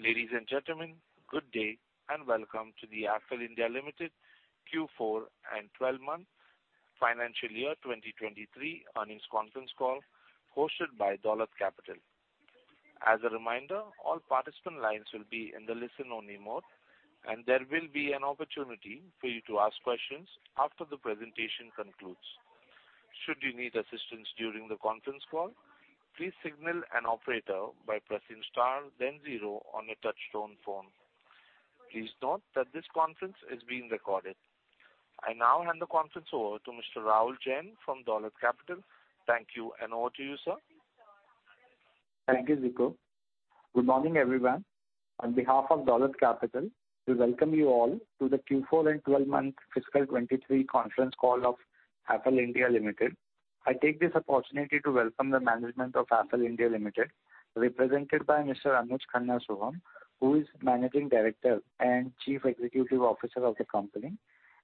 Ladies and gentlemen, good day, and welcome to the Affle India Limited Q4 and twelve-month Financial Year 2023 Earnings Conference Call hosted by Dolat Capital. As a reminder, all participant lines will be in the listen-only mode, and there will be an opportunity for you to ask questions after the presentation concludes. Should you need assistance during the conference call, please signal an operator by pressing star then zero on your touchtone phone. Please note that this conference is being recorded. I now hand the conference over to Mr. Rahul Jain from Dolat Capital. Thank you, and over to you, sir. Thank you, Ziko. Good morning, everyone. On behalf of Dolat Capital, we welcome you all to the Q4 and 12-month fiscal 2023 conference call of Affle (India) Limited. I take this opportunity to welcome the management of Affle (India) Limited, represented by Mr. Anuj Khanna Sohum, who is Managing Director and Chief Executive Officer of the company,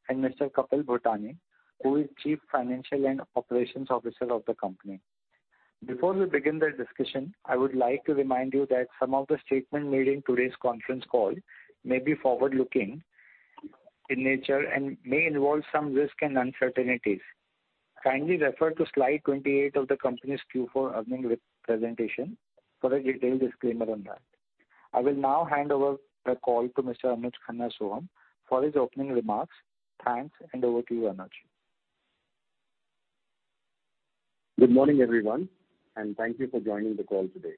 and Mr. Kapil Bhutani, who is Chief Financial and Operations Officer of the company. Before we begin the discussion, I would like to remind you that some of the statement made in today's conference call may be forward-looking in nature and may involve some risk and uncertainties. Kindly refer to slide 28 of the company's Q4 earning with presentation for a detailed disclaimer on that. I will now hand over the call to Mr. Anuj Khanna Sohum for his opening remarks. Thanks, and over to you, Anuj. Good morning, everyone, and thank you for joining the call today.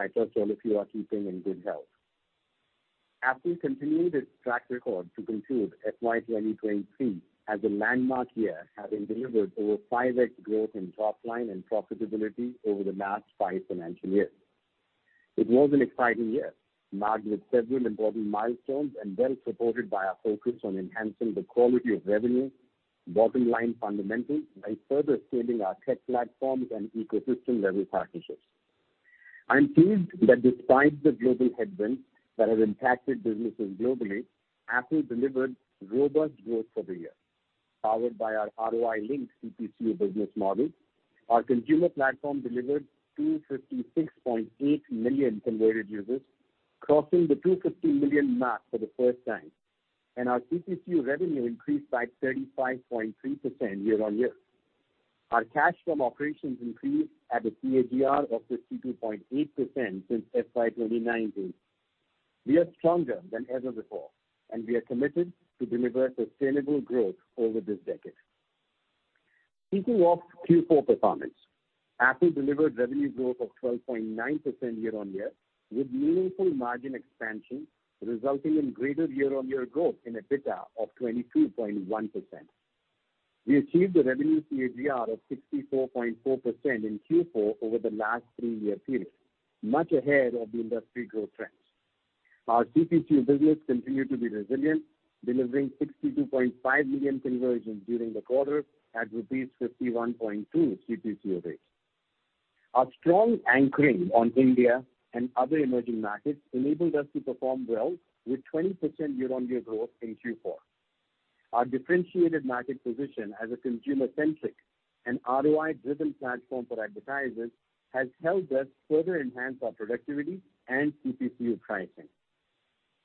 I trust all of you are keeping in good health. Affle continued its track record to conclude FY 2023 as a landmark year, having delivered over 5x growth in top line and profitability over the last five financial years. It was an exciting year, marked with several important milestones and well-supported by our focus on enhancing the quality of revenue, bottom-line fundamentals by further scaling our tech platforms and ecosystem-level partnerships. I am pleased that despite the global headwinds that have impacted businesses globally, Affle delivered robust growth for the year, powered by our ROI-linked CPCU business model. Our consumer platform delivered 256.8 million converted users, crossing the 250 million mark for the first time, and our CPCU revenue increased by 35.3% year-on-year. Our cash from operations increased at a CAGR of 52.8% since FY 2019. We are stronger than ever before, and we are committed to deliver sustainable growth over this decade. Kicking off Q4 performance, Affle delivered revenue growth of 12.9% year-on-year with meaningful margin expansion, resulting in greater year-on-year growth in EBITDA of 22.1%. We achieved a revenue CAGR of 64.4% in Q4 over the last three-year period, much ahead of the industry growth trends. Our CPCU business continued to be resilient, delivering 62.5 million conversions during the quarter at rupees 51.2 CPCU rates. Our strong anchoring on India and other emerging markets enabled us to perform well with 20% year-on-year growth in Q4. Our differentiated market position as a consumer-centric and ROI-driven platform for advertisers has helped us further enhance our productivity and CPCU pricing.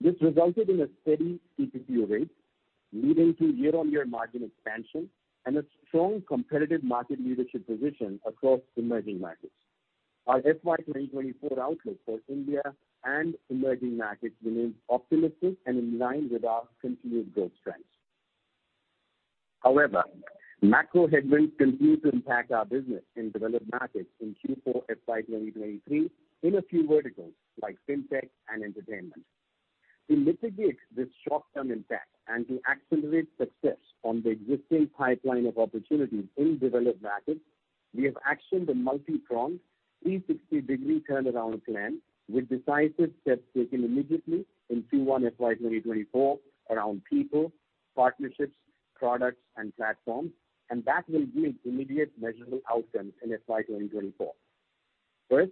This resulted in a steady CPCU rate leading to year-over-year margin expansion and a strong competitive market leadership position across emerging markets. Our FY 2024 outlook for India and emerging markets remains optimistic and in line with our continued growth trends. Macro headwinds continue to impact our business in developed markets in Q4 FY 2023 in a few verticals, like FinTech and entertainment. To mitigate this short-term impact and to accelerate success on the existing pipeline of opportunities in developed markets, we have actioned a multi-pronged 360-degree turnaround plan with decisive steps taken immediately in Q1 FY 2024 around people, partnerships, products and platforms, and that will give immediate measurable outcomes in FY 2024. First,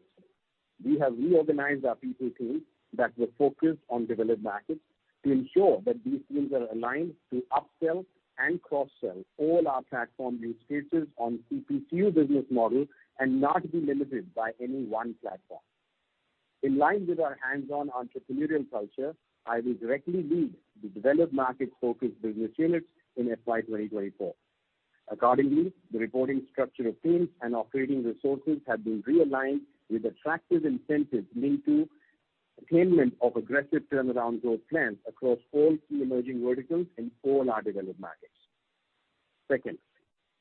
we have reorganized our people teams that were focused on developed markets to ensure that these teams are aligned to upsell and cross-sell all our platform use cases on CPCU business model and not be limited by any one platform. In line with our hands-on entrepreneurial culture, I will directly lead the developed market-focused business units in FY 2024. Accordingly, the reporting structure of teams and operating resources have been realigned with attractive incentives linked to attainment of aggressive turnaround growth plans across all key emerging verticals in all our developed markets. Second,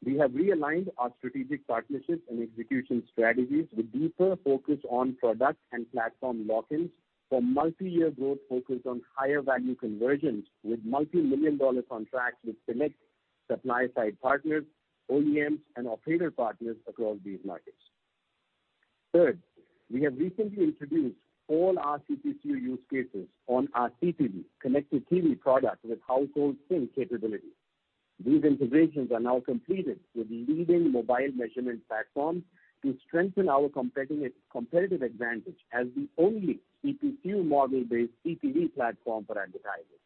we have realigned our strategic partnerships and execution strategies with deeper focus on product and platform lock-ins for multi-year growth focused on higher value conversions with multi-million dollar contracts with select supply side partners, OEMs and operator partners across these markets. Third, we have recently introduced all our CPCU use cases on our CTV connected TV product with household sync capability. These integrations are now completed with leading mobile measurement platforms to strengthen our competitive advantage as the only CPCU model-based CTV platform for advertisers.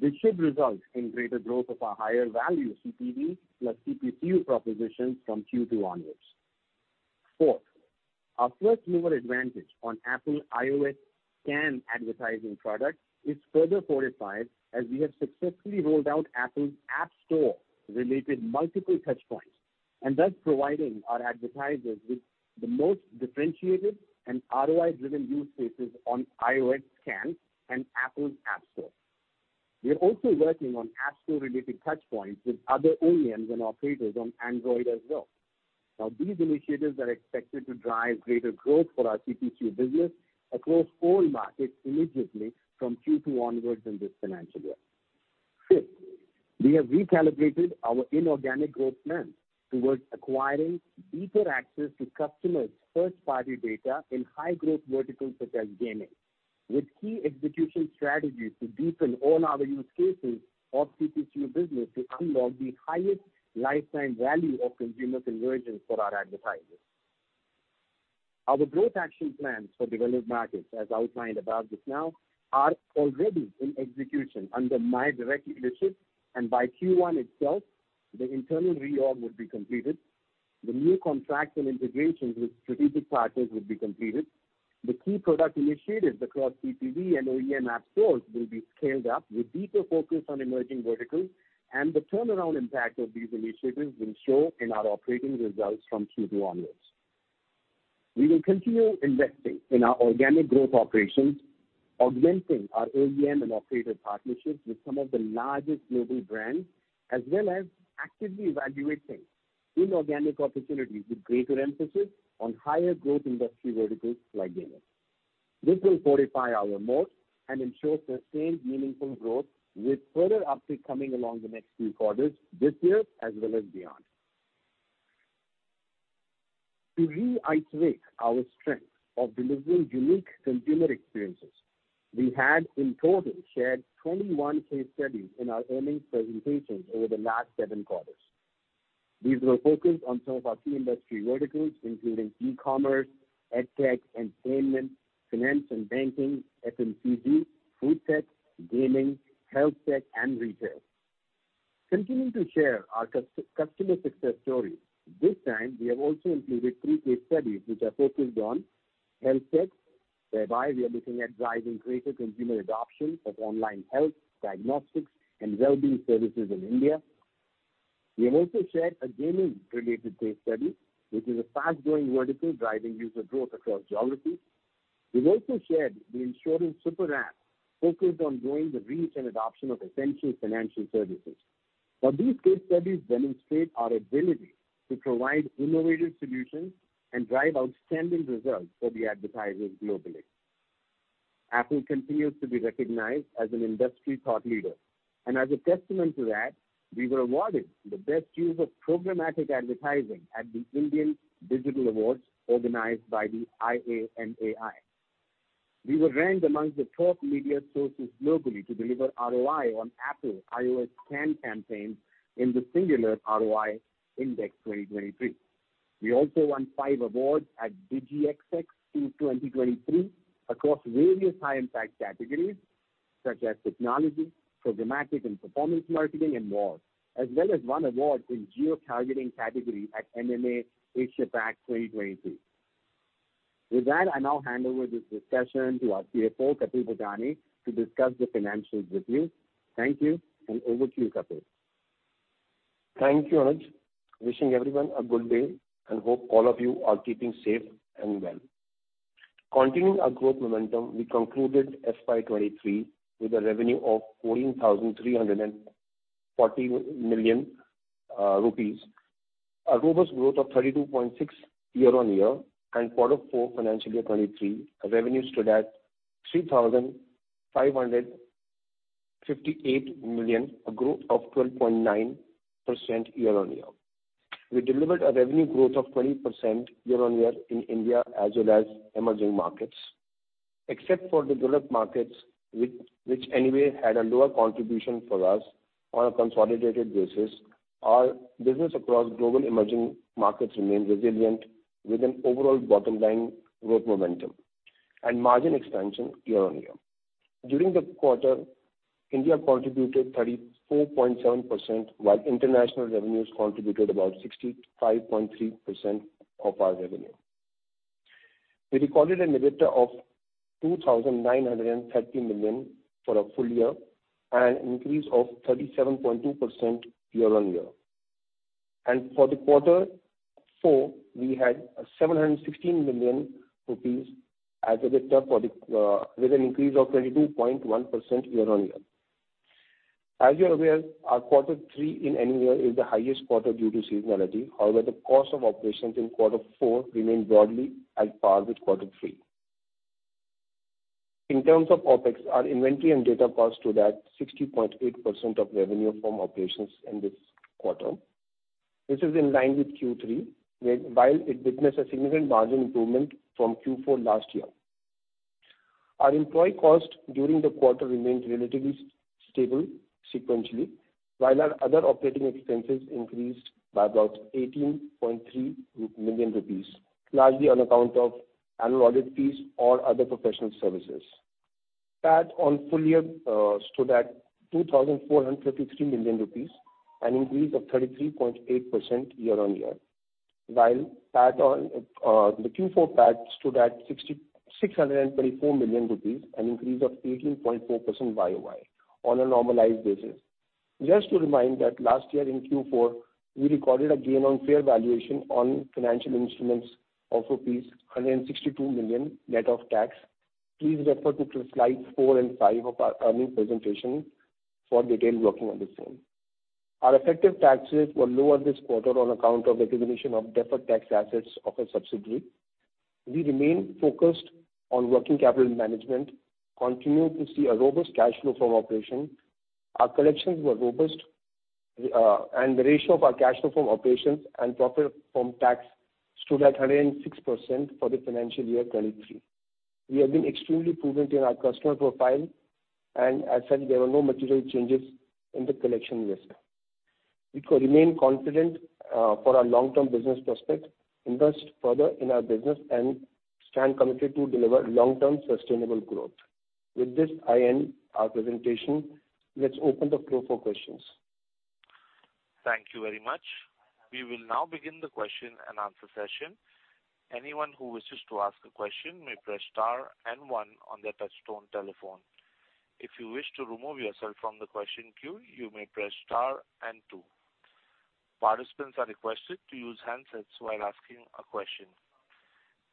This should result in greater growth of our higher value CPV plus CPCU propositions from Q2 onwards. Fourth, our first mover advantage on Apple iOS SKAN advertising product is further fortified as we have successfully rolled out Apple's App Store related multiple touchpoints, thus providing our advertisers with the most differentiated and ROI-driven use cases on iOS SKAN and Apple's App Store. We are also working on App Store related touchpoints with other OEMs and operators on Android as well. These initiatives are expected to drive greater growth for our CPCU business across all markets immediately from Q2 onwards in this financial year. Fifth, we have recalibrated our inorganic growth plan towards acquiring deeper access to customers' first-party data in high-growth verticals such as gaming, with key execution strategies to deepen all our use cases of CPCU business to unlock the highest lifetime value of consumer conversions for our advertisers. Our growth action plans for developed markets, as outlined above just now, are already in execution under my direct leadership, and by Q1 itself, the internal reorg would be completed. The new contracts and integrations with strategic partners would be completed. The key product initiatives across CPV and OEM app stores will be scaled up with deeper focus on emerging verticals, and the turnaround impact of these initiatives will show in our operating results from Q2 onwards. We will continue investing in our organic growth operations, augmenting our OEM and operator partnerships with some of the largest global brands, as well as actively evaluating inorganic opportunities with greater emphasis on higher growth industry verticals like gaming. This will fortify our moat and ensure sustained meaningful growth with further uptick coming along the next few quarters this year as well as beyond. To reiterate our strength of delivering unique consumer experiences, we had in total shared 21 case studies in our earnings presentations over the last seven quarters. These were focused on some of our key industry verticals, including e-commerce, EdTech, entertainment, finance and banking, FMCG, FoodTech, gaming, HealthTech, and retail. Continuing to share our customer success stories, this time we have also included three case studies which are focused on HealthTech, whereby we are looking at driving greater consumer adoption of online health, diagnostics, and wellbeing services in India. We have also shared a gaming related case study, which is a fast-growing vertical driving user growth across geographies. We've also shared the insurance super app focused on growing the reach and adoption of essential financial services. These case studies demonstrate our ability to provide innovative solutions and drive outstanding results for the advertisers globally. Affle continues to be recognized as an industry thought leader, and as a testament to that, we were awarded the best use of programmatic advertising at the India Digital Awards organized by the IAMAI. We were ranked amongst the top media sources globally to deliver ROI on Apple iOS SKAN campaigns in the Singular ROI Index 2023. We also won five awards at DIGIXX in 2023 across various high impact categories such as technology, programmatic and performance marketing, and more, as well as one award in geo-targeting category at MMA APAC 2023. With that, I now hand over this discussion to our CFO, Kapil Bhutani, to discuss the financials with you. Thank you. Over to you, Kapil. Thank you, Anuj. Wishing everyone a good day and hope all of you are keeping safe and well. Continuing our growth momentum, we concluded FY 2023 with a revenue of 14,340 million rupees, a robust growth of 32.6% year-on-year and Q4 FY 2023, our revenue stood at 3,558 million, a growth of 12.9% year-on-year. We delivered a revenue growth of 20% year-on-year in India as well as emerging markets. Except for developed markets which anyway had a lower contribution for us on a consolidated basis, our business across global emerging markets remained resilient with an overall bottom line growth momentum and margin expansion year-on-year. During the quarter, India contributed 34.7%, while international revenues contributed about 65.3% of our revenue. We recorded an EBITDA of 2,930 million for our full year, an increase of 37.2% year-on-year. For the quarter four, we had 716 million rupees as EBITDA with an increase of 22.1% year-on-year. As you're aware, our quarter three in any year is the highest quarter due to seasonality. However, the cost of operations in quarter four remained broadly at par with quarter three. In terms of OpEx, our inventory and data costs stood at 60.8% of revenue from operations in this quarter. This is in line with Q3, while it witnessed a significant margin improvement from Q4 last year. Our employee cost during the quarter remained relatively stable sequentially. Our other operating expenses increased by about 18.3 million rupees, largely on account of annual audit fees or other professional services. PAT on full year stood at 2,453 million rupees, an increase of 33.8% year-on-year. PAT on the Q4 PAT stood at 6,634 million rupees, an increase of 18.4% YOY on a normalized basis. Just to remind that last year in Q4, we recorded a gain on fair valuation on financial instruments of rupees 162 million net of tax. Please refer to slides four and five of our earning presentation for detailed working on the same. Our effective tax rates were lower this quarter on account of recognition of deferred tax assets of a subsidiary. We remain focused on working capital management, continue to see a robust cash flow from operation. Our collections were robust, and the ratio of our cash flow from operations and profit from tax stood at 106% for the financial year 2023. We have been extremely prudent in our customer profile, and as such, there were no material changes in the collection risk. We could remain confident, for our long-term business prospects, invest further in our business, and stand committed to deliver long-term sustainable growth. With this, I end our presentation. Let's open the floor for questions. Thank you very much. We will now begin the question and answer session. Anyone who wishes to ask a question may press star one on their touchtone telephone. If you wish to remove yourself from the question queue, you may press star two. Participants are requested to use handsets while asking a question.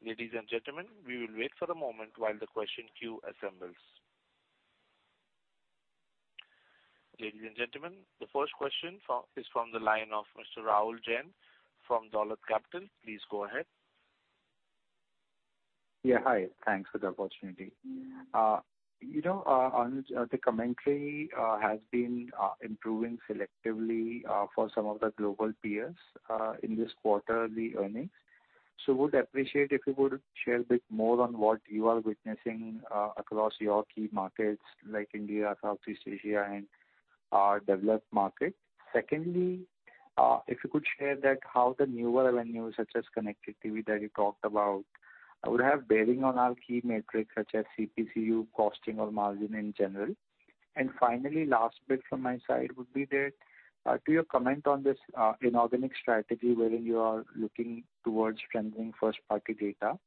Ladies and gentlemen, we will wait for a moment while the question queue assembles. Ladies and gentlemen, the first question is from the line of Mr. Rahul Jain from Dolat Capital. Please go ahead. Yeah, hi. Thanks for the opportunity. you know, on the commentary has been improving selectively for some of the global peers in this quarterly earnings. Would appreciate if you could share a bit more on what you are witnessing across your key markets like India, Southeast Asia, and developed markets. Secondly, if you could share that how the newer revenues such as connected TV that you talked about would have bearing on our key metrics such as CPCU costing or margin in general. Finally, last bit from my side would be that could you comment on this inorganic strategy wherein you are looking towards capturing first-party data.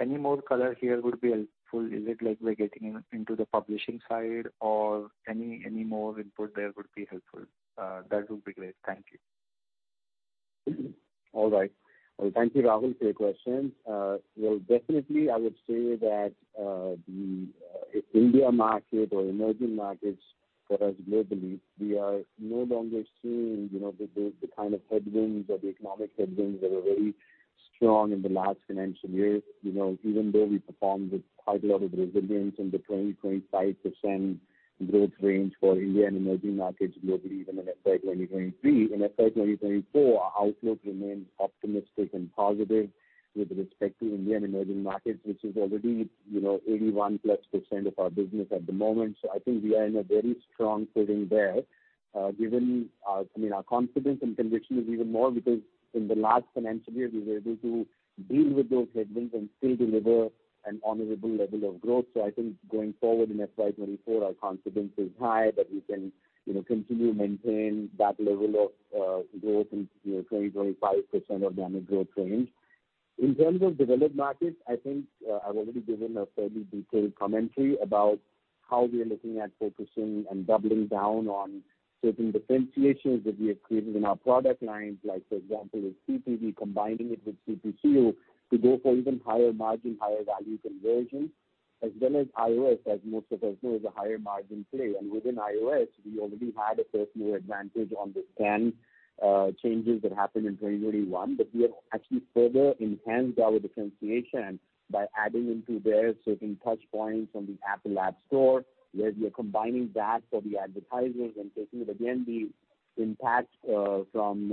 Any more color here would be helpful. Is it like we're getting into the publishing side or any more input there would be helpful? That would be great. Thank you. All right. Well, thank you, Rahul, for your questions. Well, definitely I would say that the India market or emerging markets for us globally, we are no longer seeing, you know, the kind of headwinds or the economic headwinds that were very strong in the last financial year. You know, even though we performed with quite a lot of resilience in the 20%-25% growth range for India and emerging markets globally in FY 2023. In FY 2024, our outlook remains optimistic and positive with respect to India and emerging markets, which is already, you know, 81%+ of our business at the moment. I think we are in a very strong footing there, given our. I mean, our confidence and conviction is even more because in the last financial year, we were able to deal with those headwinds and still deliver an honorable level of growth. I think going forward in FY 2024, our confidence is high that we can, you know, continue to maintain that level of growth in, you know, 20%-25% organic growth range. In terms of developed markets, I think, I've already given a fairly detailed commentary about how we are looking at focusing and doubling down on certain differentiations that we have created in our product lines. Like, for example, with CTV combining it with CPCU to go for even higher margin, higher value conversions, as well as iOS, as most of us know, is a higher margin play. Within iOS, we already had a first-mover advantage on the SKAN changes that happened in 2021. We have actually further enhanced our differentiation by adding into there certain touchpoints from the Apple App Store, where we are combining that for the advertisers and taking it. Again, the impact from,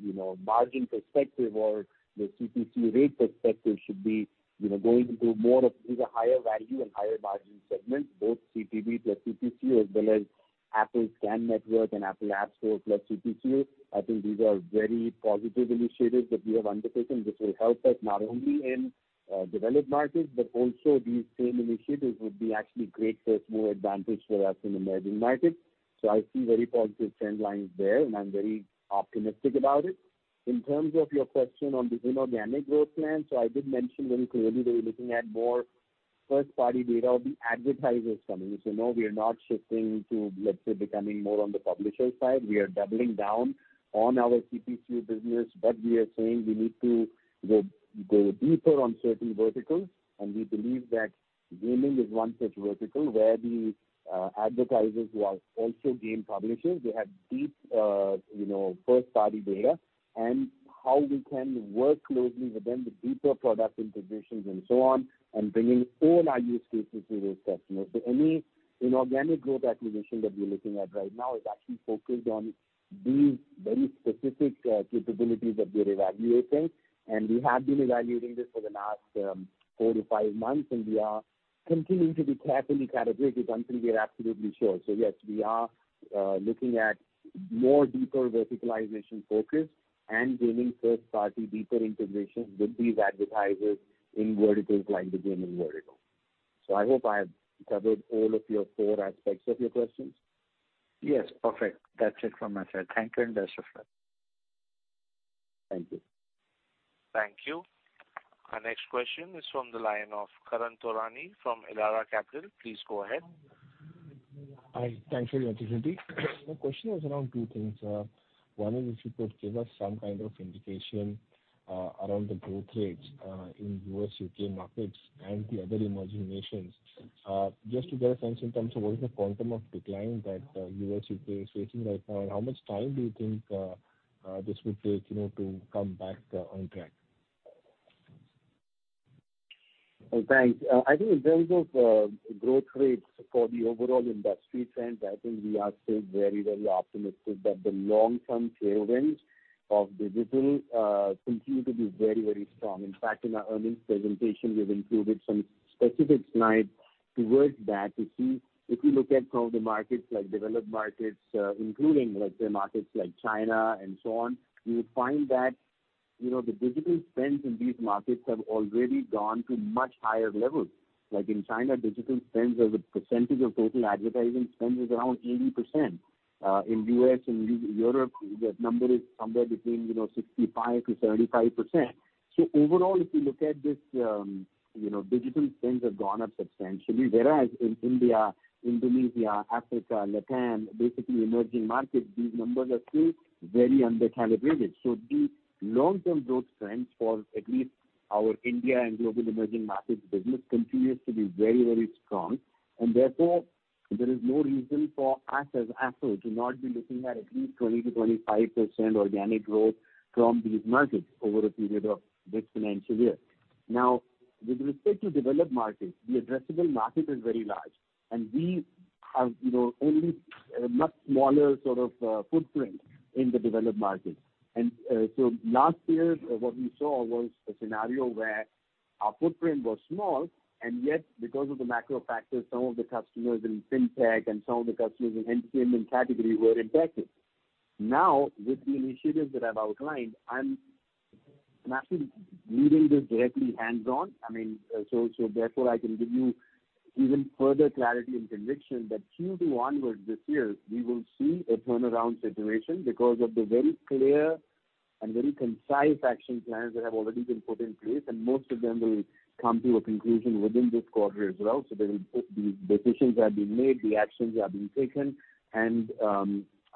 you know, margin perspective or the CPC rate perspective should be, you know, going into more of these are higher value and higher margin segments, both CTV plus CPCU as well as Apple SKAdNetwork and Apple App Store plus CPCU. I think these are very positive initiatives that we have undertaken. This will help us not only in developed markets, but also these same initiatives would be actually great first-mover advantage for us in emerging markets. I see very positive trend lines there, and I'm very optimistic about it. In terms of your question on the inorganic growth plan, I did mention very clearly that we're looking at more first-party data of the advertisers coming in. No, we are not shifting to, let's say, becoming more on the publisher side. We are doubling down on our CPCU business. We are saying we need to go deeper on certain verticals, and we believe that gaming is one such vertical where the advertisers who are also game publishers, they have deep, you know, first-party data, and how we can work closely with them with deeper product integrations and so on, and bringing all our use cases to those customers. Any inorganic growth acquisition that we're looking at right now is actually focused on these very specific capabilities that we're evaluating, and we have been evaluating this for the last four to five months, and we are continuing to be carefully categorized until we are absolutely sure. Yes, we are looking at more deeper verticalization focus and gaining first-party deeper integration with these advertisers in verticals like the gaming vertical. I hope I have covered all of your four aspects of your questions. Yes. Perfect. That's it from my side. Thank you, and best of luck. Thank you. Thank you. Our next question is from the line of Karan Taurani from Elara Capital. Please go ahead. Hi. Thanks for the opportunity. My question was around two things, one is if you could give us some kind of indication around the growth rates in U.S., U.K. markets and the other emerging nations. Just to get a sense in terms of what is the quantum of decline that U.S., U.K. is facing right now, and how much time do you think this would take, you know, to come back on track? Thanks. I think in terms of growth rates for the overall industry trends, I think we are still very, very optimistic that the long-term tailwinds of digital continue to be very, very strong. In fact, in our earnings presentation, we've included some specific slides towards that to see if you look at some of the markets like developed markets, including, let’s say, markets like China and so on, you would find that, you know, the digital spends in these markets have already gone to much higher levels. Like in China, digital spends as a percentage of total advertising spend is around 80%. In U.S. and Europe, the number is somewhere between, you know, 65%-75%. Overall, if you look at this, you know, digital spends have gone up substantially, whereas in India, Indonesia, Africa, LatAm, basically emerging markets, these numbers are still very under-calibrated. The long-term growth trends for at least our India and global emerging markets business continues to be very, very strong. Therefore, there is no reason for us as Affle to not be looking at at least 20%-25% organic growth from these markets over a period of this financial year. With respect to developed markets, the addressable market is very large, and we have, you know, only a much smaller sort of footprint in the developed markets. Last year, what we saw was a scenario where our footprint was small, and yet because of the macro factors, some of the customers in FinTech and some of the customers in entertainment category were impacted. With the initiatives that I've outlined, I'm actually leading this directly hands-on. I mean, therefore I can give you even further clarity and conviction that Q2 onwards this year we will see a turnaround situation because of the very clear and very concise action plans that have already been put in place, and most of them will come to a conclusion within this quarter as well. The decisions are being made, the actions are being taken, and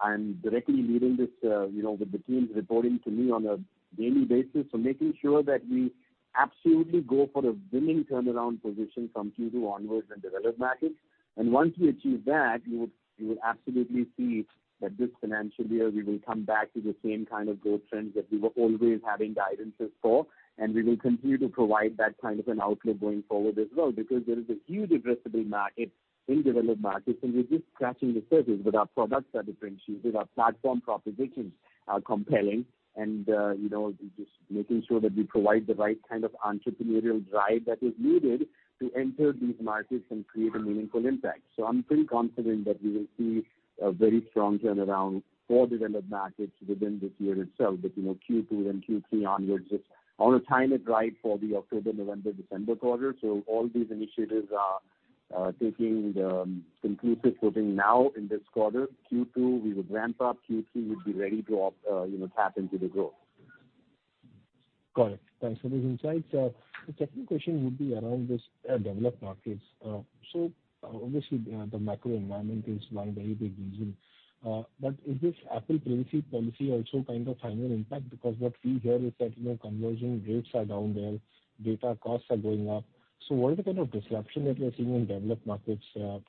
I'm directly leading this, you know, with the teams reporting to me on a daily basis. Making sure that we absolutely go for a winning turnaround position from Q2 onwards in developed markets. Once we achieve that, you would absolutely see that this financial year we will come back to the same kind of growth trends that we were always having guidances for, and we will continue to provide that kind of an outlook going forward as well. There is a huge addressable market in developed markets, and we're just scratching the surface with our products that differentiates, with our platform propositions are compelling and, you know, we're just making sure that we provide the right kind of entrepreneurial drive that is needed to enter these markets and create a meaningful impact. I'm pretty confident that we will see a very strong turnaround for developed markets within this year itself. You know, Q2, then Q3 onwards is on a time drive for the October, November, December quarter. All these initiatives are taking the conclusive footing now in this quarter. Q2, we would ramp up. Q3, we'd be ready to you know, tap into the growth. Got it. Thanks for those insights. The second question would be around this developed markets. Obviously, the macro environment is one very big reason. Is this Apple privacy policy also kind of having an impact? Because what we hear is that, you know, conversion rates are down there, data costs are going up. What are the kind of disruption that you're seeing in developed markets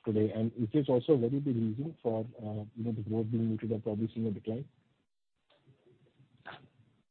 today? Is this also a very big reason for, you know, the growth being neutral or probably seeing a decline?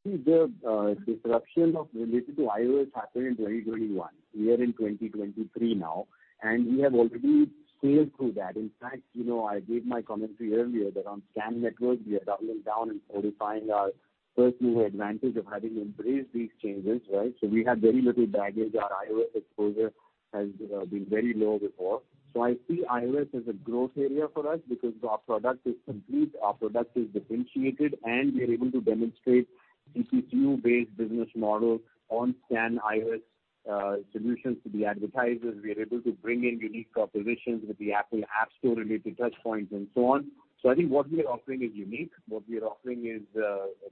See the disruption of related to iOS happened in 2021. We are in 2023 now, we have already sailed through that. In fact, you know, I gave my commentary earlier that on SKAN network we are doubling down and solidifying our first-mover advantage of having embraced these changes, right? We had very little baggage. Our iOS exposure has been very low before. I see iOS as a growth area for us because our product is complete, our product is differentiated, and we are able to demonstrate CPCU-based business model on SKAN iOS solutions to the advertisers. We are able to bring in unique propositions with the Apple App Store related touchpoints and so on. I think what we are offering is unique. What we are offering is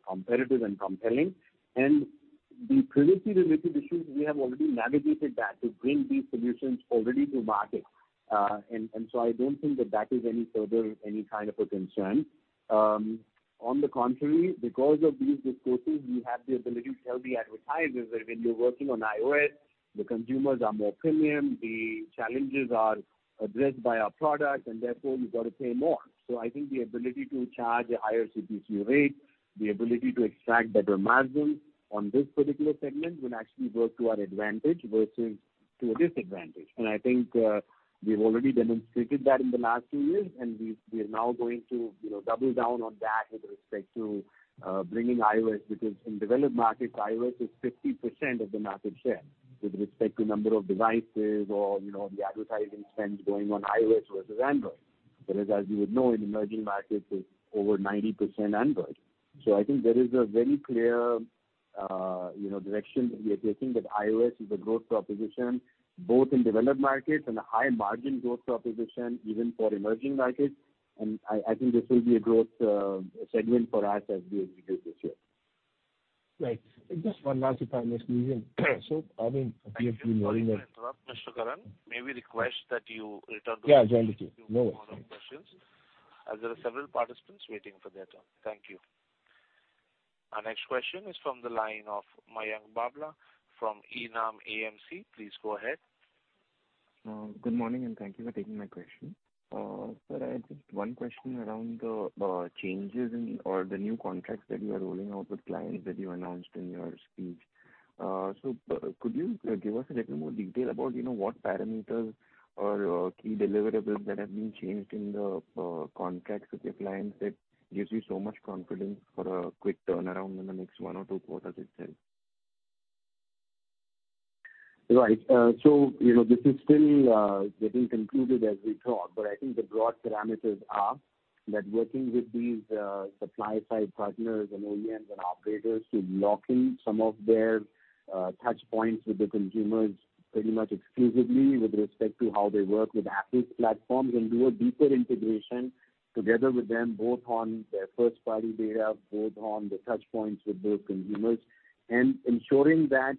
competitive and compelling. The privacy related issues, we have already navigated that to bring these solutions already to market. I don't think that that is any further, any kind of a concern. On the contrary, because of these discourses, we have the ability to tell the advertisers that when you're working on iOS, the consumers are more premium, the challenges are addressed by our product, and therefore you've got to pay more. I think the ability to charge a higher CCU rateThe ability to extract better margins on this particular segment will actually work to our advantage versus to a disadvantage. I think we've already demonstrated that in the last few years, and we are now going to, you know, double down on that with respect to bringing iOS. In developed markets, iOS is 50% of the market share with respect to number of devices or, you know, the advertising spends going on iOS versus Android. Whereas, as you would know, in emerging markets, it's over 90% Android. I think there is a very clear, you know, direction that we are taking, that iOS is a growth proposition both in developed markets and a high margin growth proposition even for emerging markets. I think this will be a growth segment for us as we execute this year. Right. Just one last, if I may, so i mean, we have been hearing that- Thank you. Sorry to interrupt, Mr. Karan. May we request that you return. Yeah, absolutely. No worries. As there are several participants waiting for their turn. Thank you. Our next question is from the line of Mayank Babla from Enam AMC. Please go ahead. Good morning, thank you for taking my question. Sir, I had just one question around the changes in or the new contracts that you are rolling out with clients that you announced in your speech. Could you give us a little more detail about, you know, what parameters or key deliverables that have been changed in the contracts with your clients that gives you so much confidence for a quick turnaround in the next one or two quarters itself? Right. so, you know, this is still getting concluded as we talk, but I think the broad parameters are that working with these supply side partners and OEMs and operators to lock in some of their touch points with the consumers pretty much exclusively with respect to how they work with Affle's platforms and do a deeper integration together with them, both on their first party data, both on the touch points with their consumers. Ensuring that,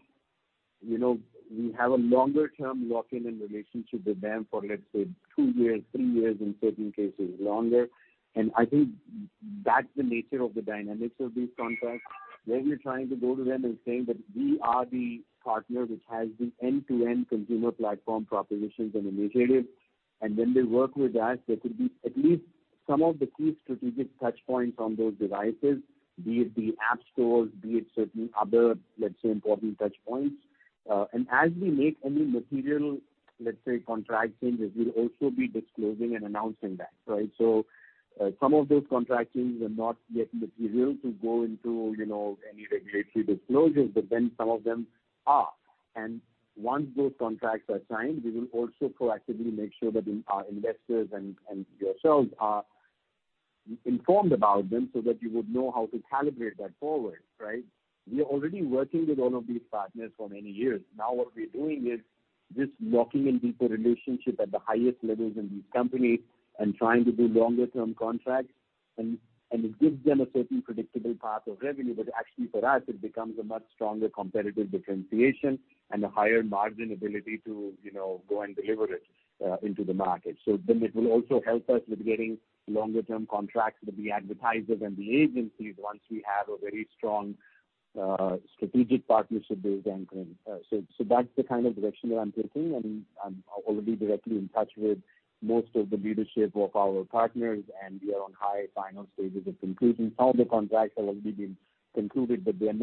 you know, we have a longer term lock-in relationship with them for, let's say, two years, three years, in certain cases longer. I think that's the nature of the dynamics of these contracts, where we're trying to go to them and saying that we are the partner which has the end-to-end consumer platform propositions and initiatives. When they work with us, there could be at least some of the key strategic touch points on those devices, be it the app stores, be it certain other, let's say, important touch points. As we make any material, let's say, contract changes, we'll also be disclosing and announcing that, right. Some of those contract changes are not yet material to go into, you know, any regulatory disclosures, but then some of them are. Once those contracts are signed, we will also proactively make sure that our investors and yourselves are informed about them so that you would know how to calibrate that forward, right. We are already working with all of these partners for many years. Now, what we're doing is just locking in deeper relationship at the highest levels in these companies and trying to do longer term contracts. It gives them a certain predictable path of revenue. Actually for us, it becomes a much stronger competitive differentiation and a higher margin ability to, you know, go and deliver it into the market. It will also help us with getting longer term contracts with the advertisers and the agencies once we have a very strong strategic partnership with them going. That's the kind of direction that I'm taking, and I'm already directly in touch with most of the leadership of our partners, and we are on high final stages of conclusion. Some of the contracts have already been concluded, but they are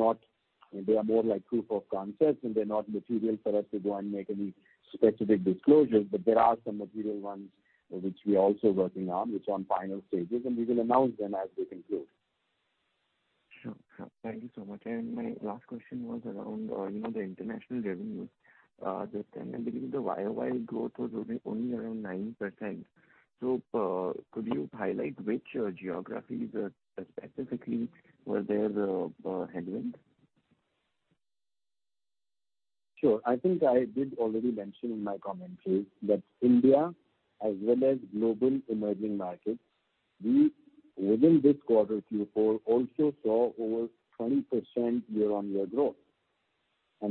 more like proof of concepts, and they're not material for us to go and make any specific disclosures. There are some material ones which we are also working on, which are on final stages, and we will announce them as they conclude. Sure. Thank you so much. My last question was around, you know, the international revenues. Just then I believe the YOY growth was only around 9%. Could you highlight which geographies specifically were there a headwind? Sure. I think I did already mention in my commentary that India as well as global emerging markets, we within this quarter, Q4, also saw over 20% year-on-year growth.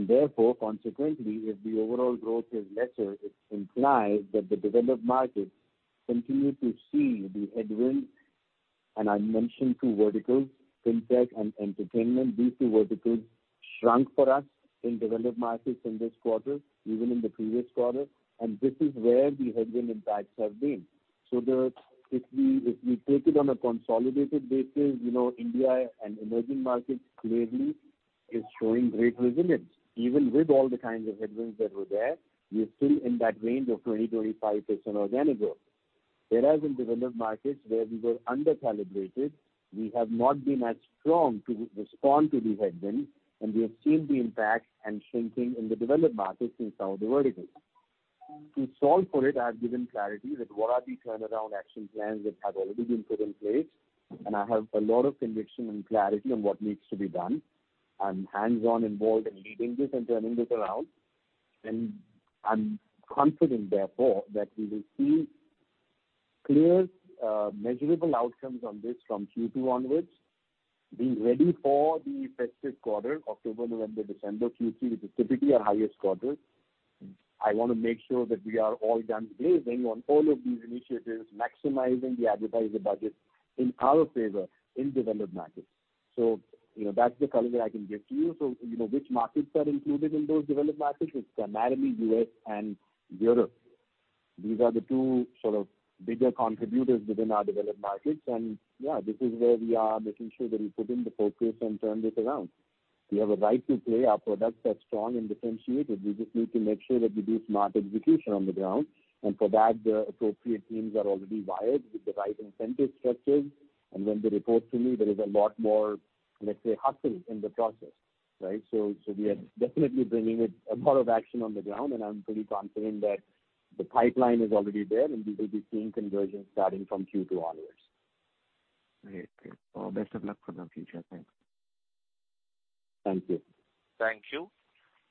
Therefore, consequently, if the overall growth is lesser, it implies that the developed markets continue to see the headwinds. I mentioned two verticals, FinTech and entertainment. These two verticals shrunk for us in developed markets in this quarter, even in the previous quarter. This is where the headwind impacts have been. If we take it on a consolidated basis, you know, India and emerging markets clearly is showing great resilience. Even with all the kinds of headwinds that were there, we are still in that range of 20%-25% organic growth. Whereas in developed markets where we were under-calibrated, we have not been as strong to respond to the headwinds, and we have seen the impact and shrinking in the developed markets in some of the verticals. To solve for it, I've given clarity that what are the turnaround action plans that have already been put in place, and I have a lot of conviction and clarity on what needs to be done. I'm hands-on involved in leading this and turning this around, and I'm confident therefore that we will see clear, measurable outcomes on this from Q2 onwards, being ready for the festive quarter, October, November, December, Q3, which is typically our highest quarter. I wanna make sure that we are all guns blazing on all of these initiatives, maximizing the advertiser budgets in our favor in developed markets. You know, that's the color that I can give to you. You know, which markets are included in those developed markets? It's primarily U.S. and Europe. These are the two sort of bigger contributors within our developed markets. Yeah, this is where we are making sure that we put in the focus and turn this around. We have a right to play. Our products are strong and differentiated. We just need to make sure that we do smart execution on the ground, and for that, the appropriate teams are already wired with the right incentive structures. When they report to me, there is a lot more, let's say, hustle in the process, right? We are definitely bringing it a lot of action on the ground, and I'm pretty confident that the pipeline is already there, and we will be seeing conversions starting from Q2 onwards. Great. Okay. Well, best of luck for the future. Thanks. Thank you. Thank you.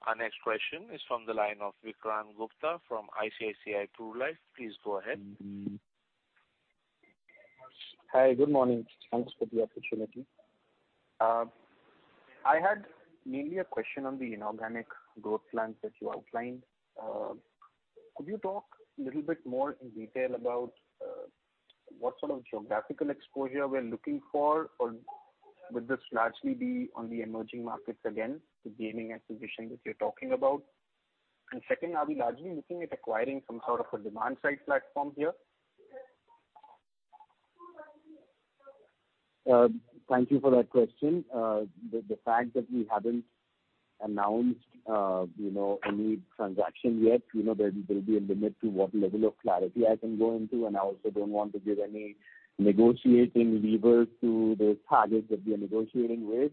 Our next question is from the line of Vikrant Gupta from ICICI Pru Life. Please go ahead. Hi. Good morning. Thanks for the opportunity. I had mainly a question on the inorganic growth plans that you outlined. Could you talk a little bit more in detail about, what sort of geographical exposure we're looking for, or would this largely be on the emerging markets again, the gaming acquisition which you're talking about? Second, are we largely looking at acquiring some sort of a demand-side platform here? Thank you for that question. The fact that we haven't announced, you know, any transaction yet, you know, there'll be a limit to what level of clarity I can go into, and I also don't want to give any negotiating lever to the targets that we are negotiating with,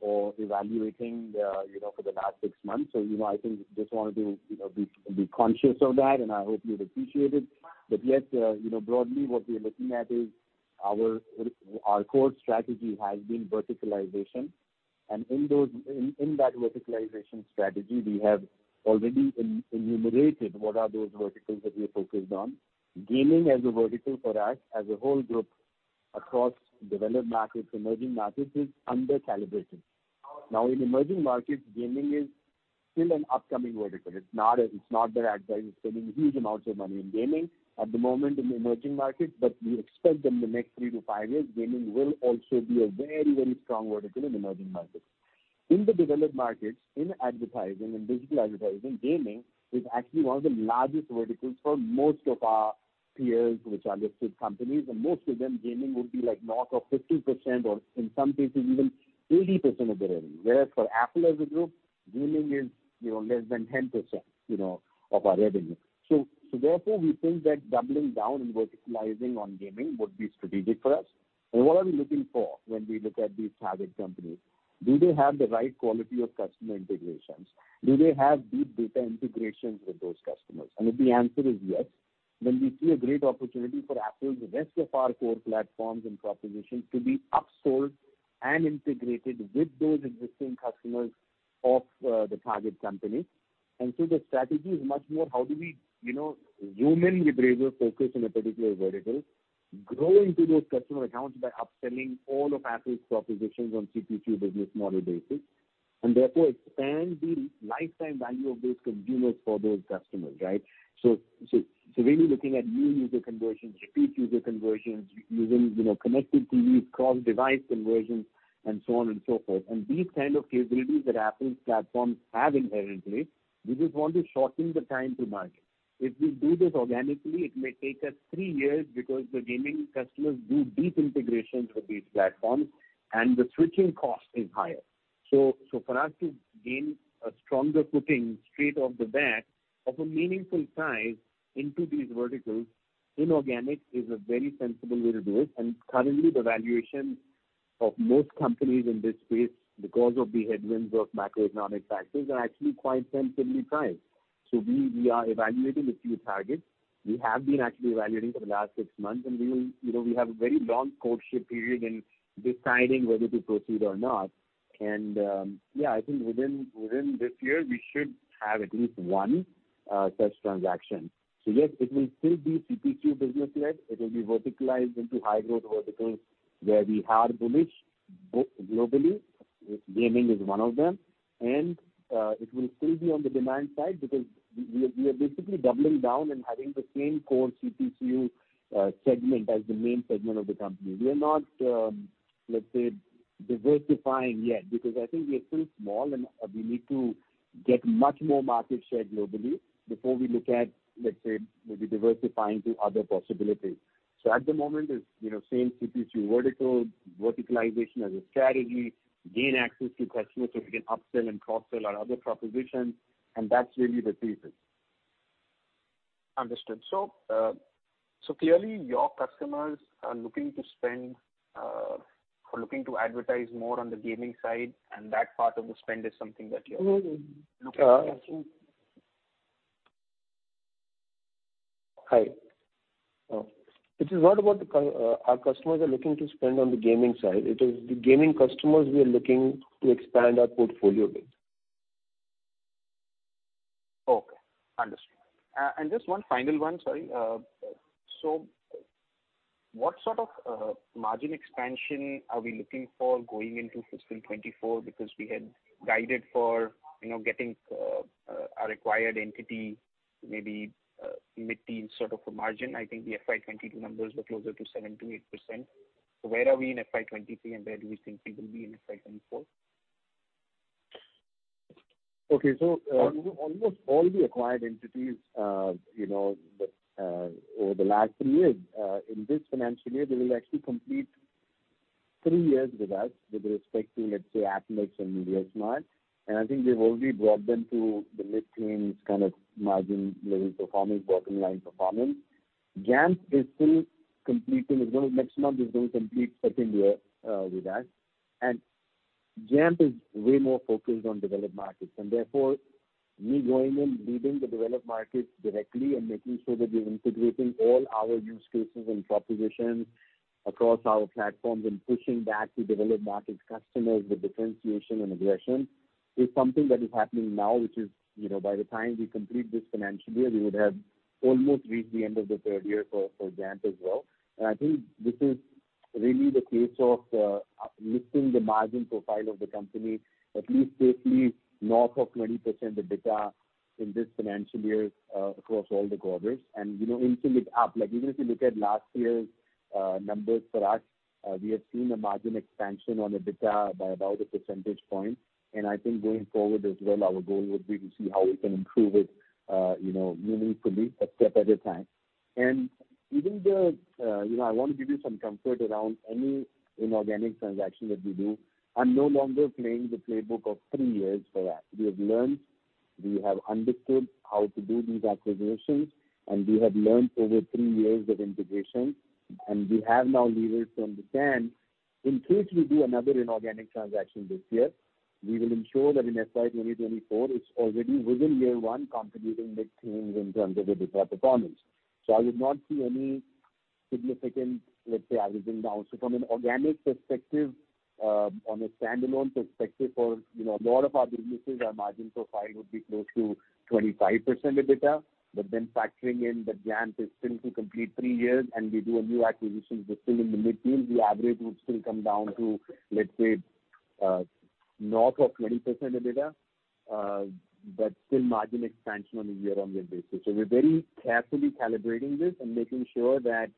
or evaluating, you know, for the last six months. I think just wanted to, you know, be conscious of that, and I hope you'd appreciate it. Yes, you know, broadly what we are looking at is our core strategy has been verticalization. In that verticalization strategy, we have already enumerated what are those verticals that we are focused on. Gaming as a vertical for us as a whole group across developed markets, emerging markets is under calibrated. In emerging markets, gaming is still an upcoming vertical. It's not that advertising is spending huge amounts of money in gaming at the moment in the emerging markets, but we expect in the next three to five-years, gaming will also be a very, very strong vertical in emerging markets. In the developed marks, in advertising, in digital advertising, gaming is actually one of the largest verticals for most of our peers, which are listed companies. Most of them, gaming would be like north of 50% or in some cases even 80% of the revenue. Whereas for Affle as a group, gaming is, you know, less than 10%, you know, of our revenue. Therefore, we think that doubling down and verticalizing on gaming would be strategic for us. What are we looking for when we look at these target companies? Do they have the right quality of customer integrations? Do they have deep data integrations with those customers? If the answer is yes, then we see a great opportunity for Affle's rest of our core platforms and propositions to be upsold and integrated with those existing customers of the target company. The strategy is much more how do we, you know, zoom in with greater focus on a particular vertical, grow into those customer accounts by upselling all of Affle's propositions on CPCU business model basis, and therefore expand the lifetime value of those consumers for those customers, right? Really looking at new user conversions, repeat user conversions using, you know, connected TVs, cross-device conversions, and so on and so forth. These kind of capabilities that Affle's platforms have inherently, we just want to shorten the time to market. If we do this organically, it may take us three years because the gaming customers do deep integrations with these platforms, and the switching cost is higher. For us to gain a stronger footing straight off the bat of a meaningful size into these verticals, inorganic is a very sensible way to do it. Currently the valuations of most companies in this space because of the headwinds of macroeconomic factors are actually quite sensibly priced. We are evaluating a few targets. We have been actually evaluating for the last six months, and we will, you know, we have a very long courtship period in deciding whether to proceed or not. Yeah, I think within this year, we should have at least one such transaction. Yes, it will still be CPCU business-led. It will be verticalized into high-growth verticals where we are bullish globally. Gaming is one of them. It will still be on the demand side because we are basically doubling down and having the same core CPCU segment as the main segment of the company. We are not, let's say diversifying yet because I think we are still small, and we need to get much more market share globally before we look at, let's say, maybe diversifying to other possibilities. At the moment, it's, you know, same CPCU vertical, verticalization as a strategy, gain access to customers so we can upsell and cross-sell our other propositions. That's really the thesis. Understood. Clearly your customers are looking to spend, or looking to advertise more on the gaming side, and that part of the spend is something that. No, no. looking at. Hi. It is not about our customers are looking to spend on the gaming side. It is the gaming customers we are looking to expand our portfolio with. Okay. Understood. Just one final one, sorry. What sort of margin expansion are we looking for going into fiscal 2024? Because we had guided for, you know, getting a required entity, maybe mid-teen sort of a margin. I think the FY 2022 numbers were closer to 7%-8%. Where are we in FY 2023, and where do we think we will be in FY 2024? Okay. you know, over the last three years, in this financial year, they will actually complete three years with us with respect to, let's say, Appnext and Mediasmart. I think we've already brought them to the mid-teens kind of margin level performance, bottom line performance. Jampp is still completing. next month is going to complete second year with us. Jampp is way more focused on developed markets, and therefore me going and leading the developed markets directly and making sure that we're integrating all our use cases and propositions across our platforms and pushing that to developed markets customers with differentiation and aggression is something that is happening now, which is, you know, by the time we complete this financial year, we would have almost reached the end of the third year for Jampp as well. I think this is really the case of lifting the margin profile of the company at least safely north of 20% EBITDA in this financial year across all the quarters. You know, inching it up, like, even if you look at last year's numbers for us, we have seen a margin expansion on EBITDA by about a percentage point. I think going forward as well, our goal would be to see how we can improve it, you know, meaningfully a step at a time. Even the, you know, I want to give you some comfort around any inorganic transaction that we do. I'm no longer playing the playbook of three-years for that. We have learned, we have understood how to do these acquisitions, and we have learned over three-years of integration, and we have now levers to understand. In case we do another inorganic transaction this year, we will ensure that in FY 2024, it's already within year one contributing mid-teens in terms of EBITDA performance. I would not see any significant, let's say, averaging down. From an organic perspective, on a standalone perspective for, you know, a lot of our businesses, our margin profile would be close to 25% EBITDA. Factoring in that Jampp is still to complete three years and we do a new acquisition, we're still in the mid-teens. The average would still come down to, let's say, north of 20% EBITDA, but still margin expansion on a year-on-year basis. We're very carefully calibrating this and making sure that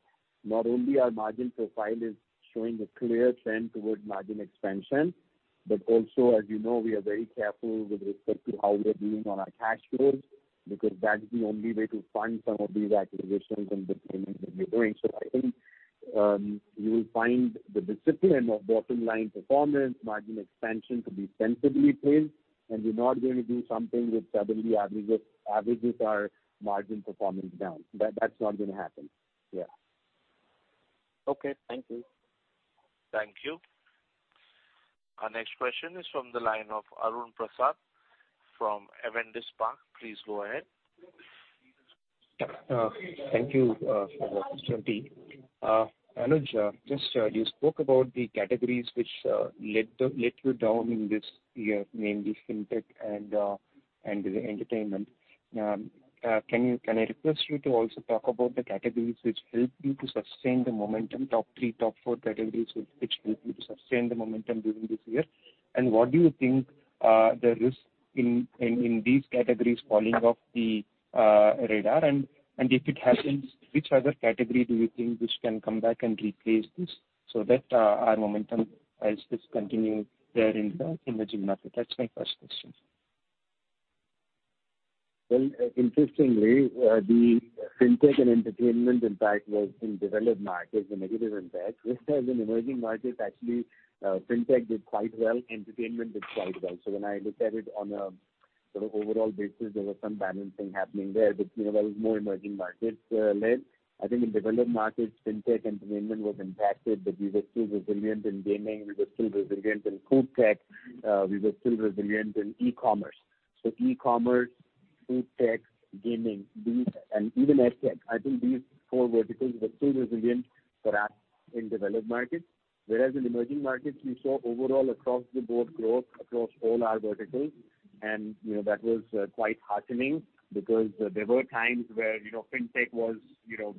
not only our margin profile is showing a clear trend towards margin expansion, but also, as you know, we are very careful with respect to how we are doing on our cash flows, because that's the only way to fund some of these acquisitions and the payments that we're doing. I think, you will find the discipline of bottom line performance, margin expansion to be sensibly paced, and we're not going to do something which suddenly averages our margin performance down. That's not going to happen. Yeah. Okay. Thank you. Thank you. Our next question is from the line of Arun Prasath from Avendus Spark. Please go ahead. Thank you for the opportunity. Anuj, just you spoke about the categories which let you down in this year, namely FinTech and entertainment. Can I request you to also talk about the categories which helped you to sustain the momentum, top three, top four categories which helped you to sustain the momentum during this year? What do you think, the risk in these categories falling off the radar? If it happens, which other category do you think which can come back and replace this so that our momentum as this continues there in the gym market? That's my first question. Interestingly, the FinTech and entertainment impact was in developed markets, the negative impact whereas in emerging markets actually, FinTech did quite well, entertainment did quite well. When I look at it on a sort of overall basis, there was some balancing happening there. You know, that was more emerging markets led. I think in developed markets, FinTech, entertainment was impacted, but we were still resilient in gaming, we were still resilient in FoodTech, we were still resilient in e-commerce. e-commerce, FoodTech, gaming, and even EdTech, I think these four verticals were still resilient for us in developed markets. Whereas in emerging markets, we saw overall across the board growth across all our verticals. You know, that was quite heartening because there were times where, you know, FinTech was, you know,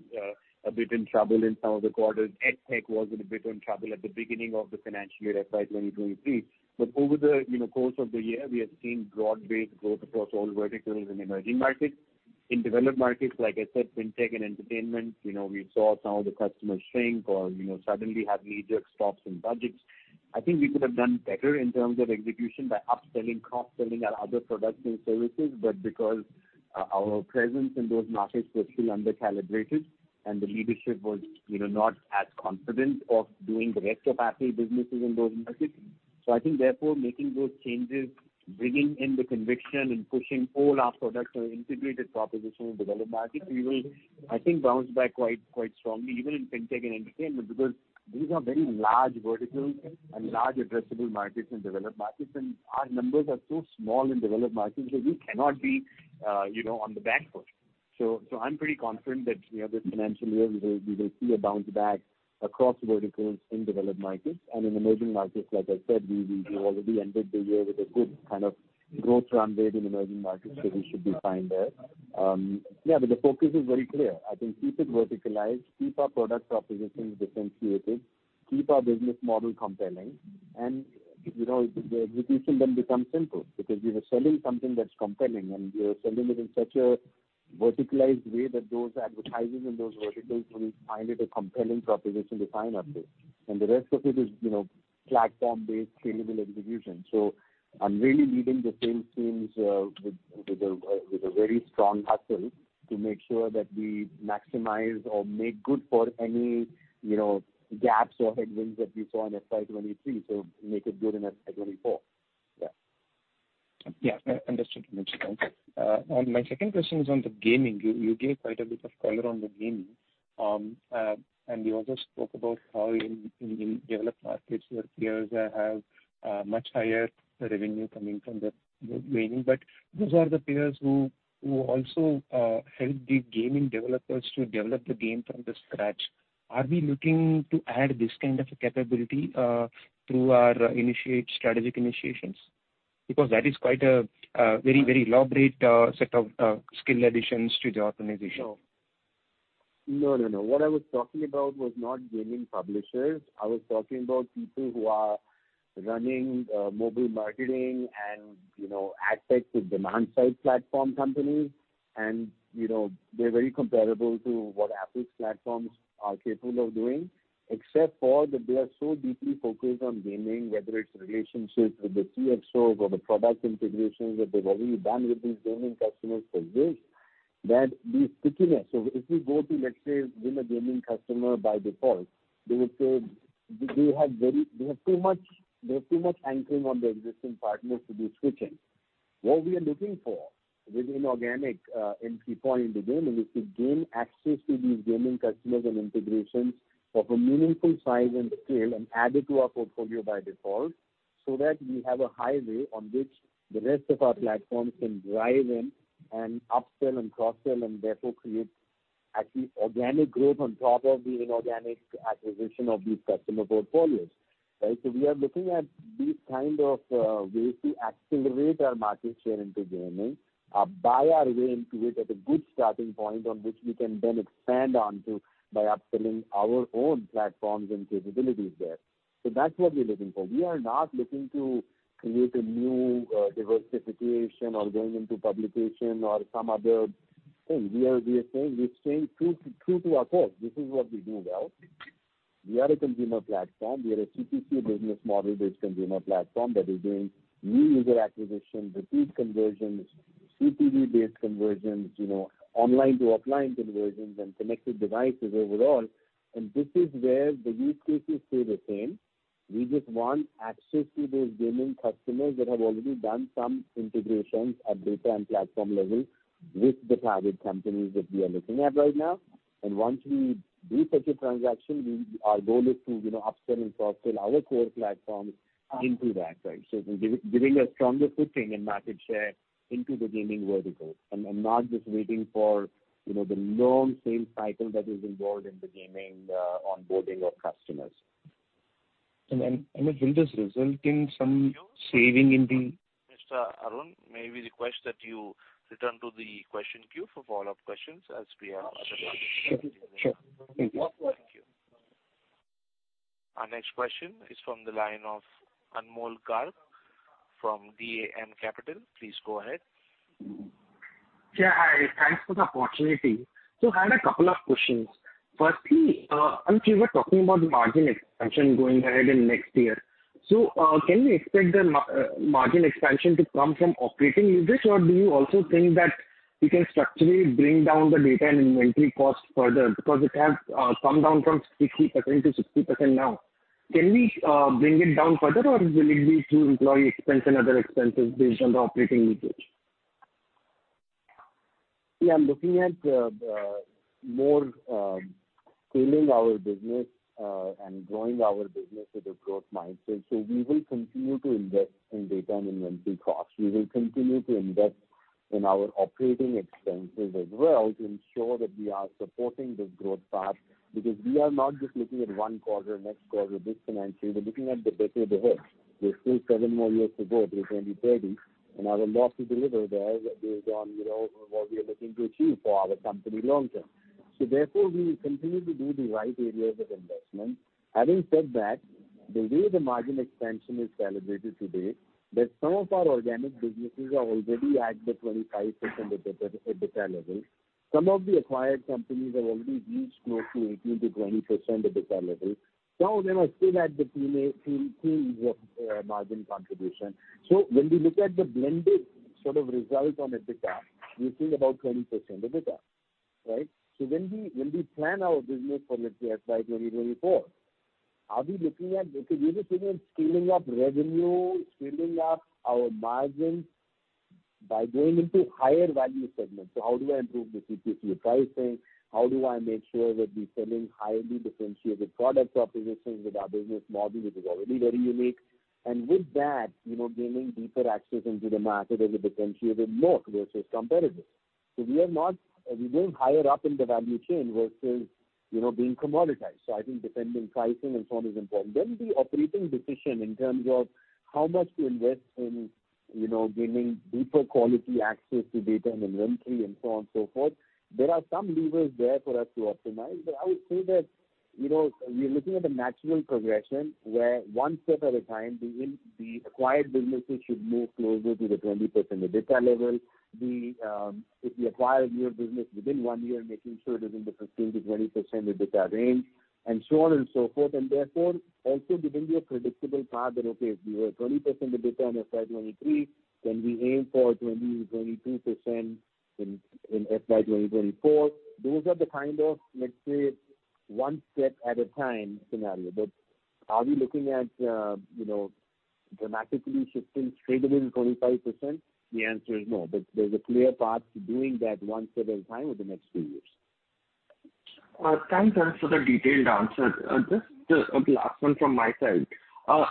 a bit in trouble in some of the quarters. EdTech was in a bit in trouble at the beginning of the financial year, FY 2023. Over the, you know, course of the year, we have seen broad-based growth across all verticals in emerging markets. In developed markets, like I said, FinTech and entertainment, you know, we saw some of the customers shrink or, you know, suddenly have major stops in budgets. I think we could have done better in terms of execution by upselling, cross-selling our other products and services. Because our presence in those markets was still under-calibrated and the leadership was, you know, not as confident of doing the rest of assay businesses in those markets. I think therefore, making those changes, bringing in the conviction and pushing all our products and integrated proposition in developed markets, we will, I think, bounce back quite strongly even in FinTech and entertainment, because these are very large verticals and large addressable markets in developed markets, and our numbers are so small in developed markets that we cannot be, you know, on the back foot. I'm pretty confident that, you know, this financial year we will see a bounce back across verticals in developed markets. In emerging markets, like I said, we already ended the year with a good kind of growth runway in emerging markets, so we should be fine there. Yeah, the focus is very clear. I think keep it verticalized, keep our product propositions differentiated, keep our business model compelling, and, you know, the execution then becomes simple because we are selling something that's compelling and we are selling it in such a verticalized way that those advertisers and those verticals will find it a compelling proposition to sign up with. The rest of it is, you know, platform-based scalable execution. I'm really leading the sales teams with a very strong hustle to make sure that we maximize or make good for any, you know, gaps or headwinds that we saw in FY 2023, so make it good in FY 2024. Yeah. Yeah, understood, Anuj, thanks. My second question is on the gaming. You gave quite a bit of color on the gaming. You also spoke about how in developed markets your peers have much higher revenue coming from the gaming. Those are the peers who also help the gaming developers to develop the game from the scratch. Are we looking to add this kind of a capability through our strategic initiations? Because that is quite a very, very elaborate set of skill additions to the organization. No. No, no. What I was talking about was not gaming publishers. I was talking about people who are running mobile marketing and, you know, ad tech with demand-side platform companies. You know, they're very comparable to what Apple's platforms are capable of doing, except for that they are so deeply focused on gaming, whether it's relationships with the CXOs or the product integrations that they've already done with these gaming customers for years, that the stickiness... If we go to, let's say, win a gaming customer by default, they would say they have too much anchoring on their existing partners to do switching. What we are looking for with inorganic entry point into gaming is to gain access to these gaming customers and integrations of a meaningful size and scale and add it to our portfolio by default, so that we have a highway on which the rest of our platforms can drive in and upsell and cross-sell and therefore create actually organic growth on top of the inorganic acquisition of these customer portfolios. Right? We are looking at these kind of ways to accelerate our market share into gaming, buy our way into it at a good starting point on which we can then expand onto by upselling our own platforms and capabilities there. That's what we're looking for. We are not looking to create a new diversification or going into publication or some other thing. We are saying, we're staying true to our course. This is what we do well. We are a consumer platform. We are a C2C business model-based consumer platform that is doing new user acquisition, repeat conversions, CTV-based conversions, you know, online to offline conversions and connected devices overall. This is where the use cases stay the same. We just want access to those gaming customers that have already done some integrations at data and platform level with the target companies that we are looking at right now. Once we do such a transaction, our goal is to, you know, upsell and cross-sell our core platforms into that, right? Giving a stronger footing and market share into the gaming vertical. Not just waiting for, you know, the long sales cycle that is involved in the gaming onboarding of customers. Anuj, will this result in some saving in. Mr. Arun, may we request that you return to the question queue for follow-up questions as we have other participants. Sure. Sure. Thank you. Thank you. Our next question is from the line of Anmol Garg from DAM Capital. Please go ahead. Yeah, hi. Thanks for the opportunity. I had a couple of questions. Firstly, Amit, you were talking about the margin expansion going ahead in next year. Can we expect the margin expansion to come from operating leverage, or do you also think that you can structurally bring down the data and inventory costs further? Because it has come down from 60% to 60% now. Can we bring it down further, or will it be through employee expense and other expenses based on the operating leverage? Yeah, I'm looking at scaling our business and growing our business with a growth mindset. We will continue to invest in data and inventory costs. We will continue to invest in our operating expenses as well to ensure that we are supporting this growth path, because we are not just looking at one quarter, next quarter, this financial year. We're looking at the decade ahead. There's still seven more years to go till 2030, and our loss to deliver there is based on, you know, what we are looking to achieve for our company long term. We will continue to do the right areas of investment. Having said that, the way the margin expansion is celebrated today, that some of our organic businesses are already at the 25% EBITDA level. Some of the acquired companies have already reached close to 18%-20% EBITDA level. Some of them are still at the single margin contribution. When we look at the blended sort of result on EBITDA, we see about 20% EBITDA, right? When we plan our business for, let's say, FY 2024, we are looking at scaling up revenue, scaling up our margins by going into higher value segments. How do I improve the C2C pricing? How do I make sure that we're selling highly differentiated product propositions with our business model, which is already very unique? With that, you know, gaining deeper access into the market as a differentiator more versus competitors. We're going higher up in the value chain versus, you know, being commoditized. I think defending pricing and so on is important. The operating decision in terms of how much to invest in, you know, gaining deeper quality access to data and inventory and so on and so forth. There are some levers there for us to optimize. I would say that, you know, we're looking at a natural progression where one step at a time the acquired businesses should move closer to the 20% EBITDA level. If we acquire a new business within one year, making sure it is in the 15%-20% EBITDA range, and so on and so forth. Therefore, also giving you a predictable path that, okay, if we were at 20% EBITDA in FY 2023, then we aim for 20%-22% in FY 2024. Those are the kind of, let's say, one step at a time scenario. Are we looking at, you know, dramatically shifting straight away to 25%? The answer is no. There's a clear path to doing that one step at a time over the next few years. Thanks, thanks for the detailed answer. Just, the last one from my side,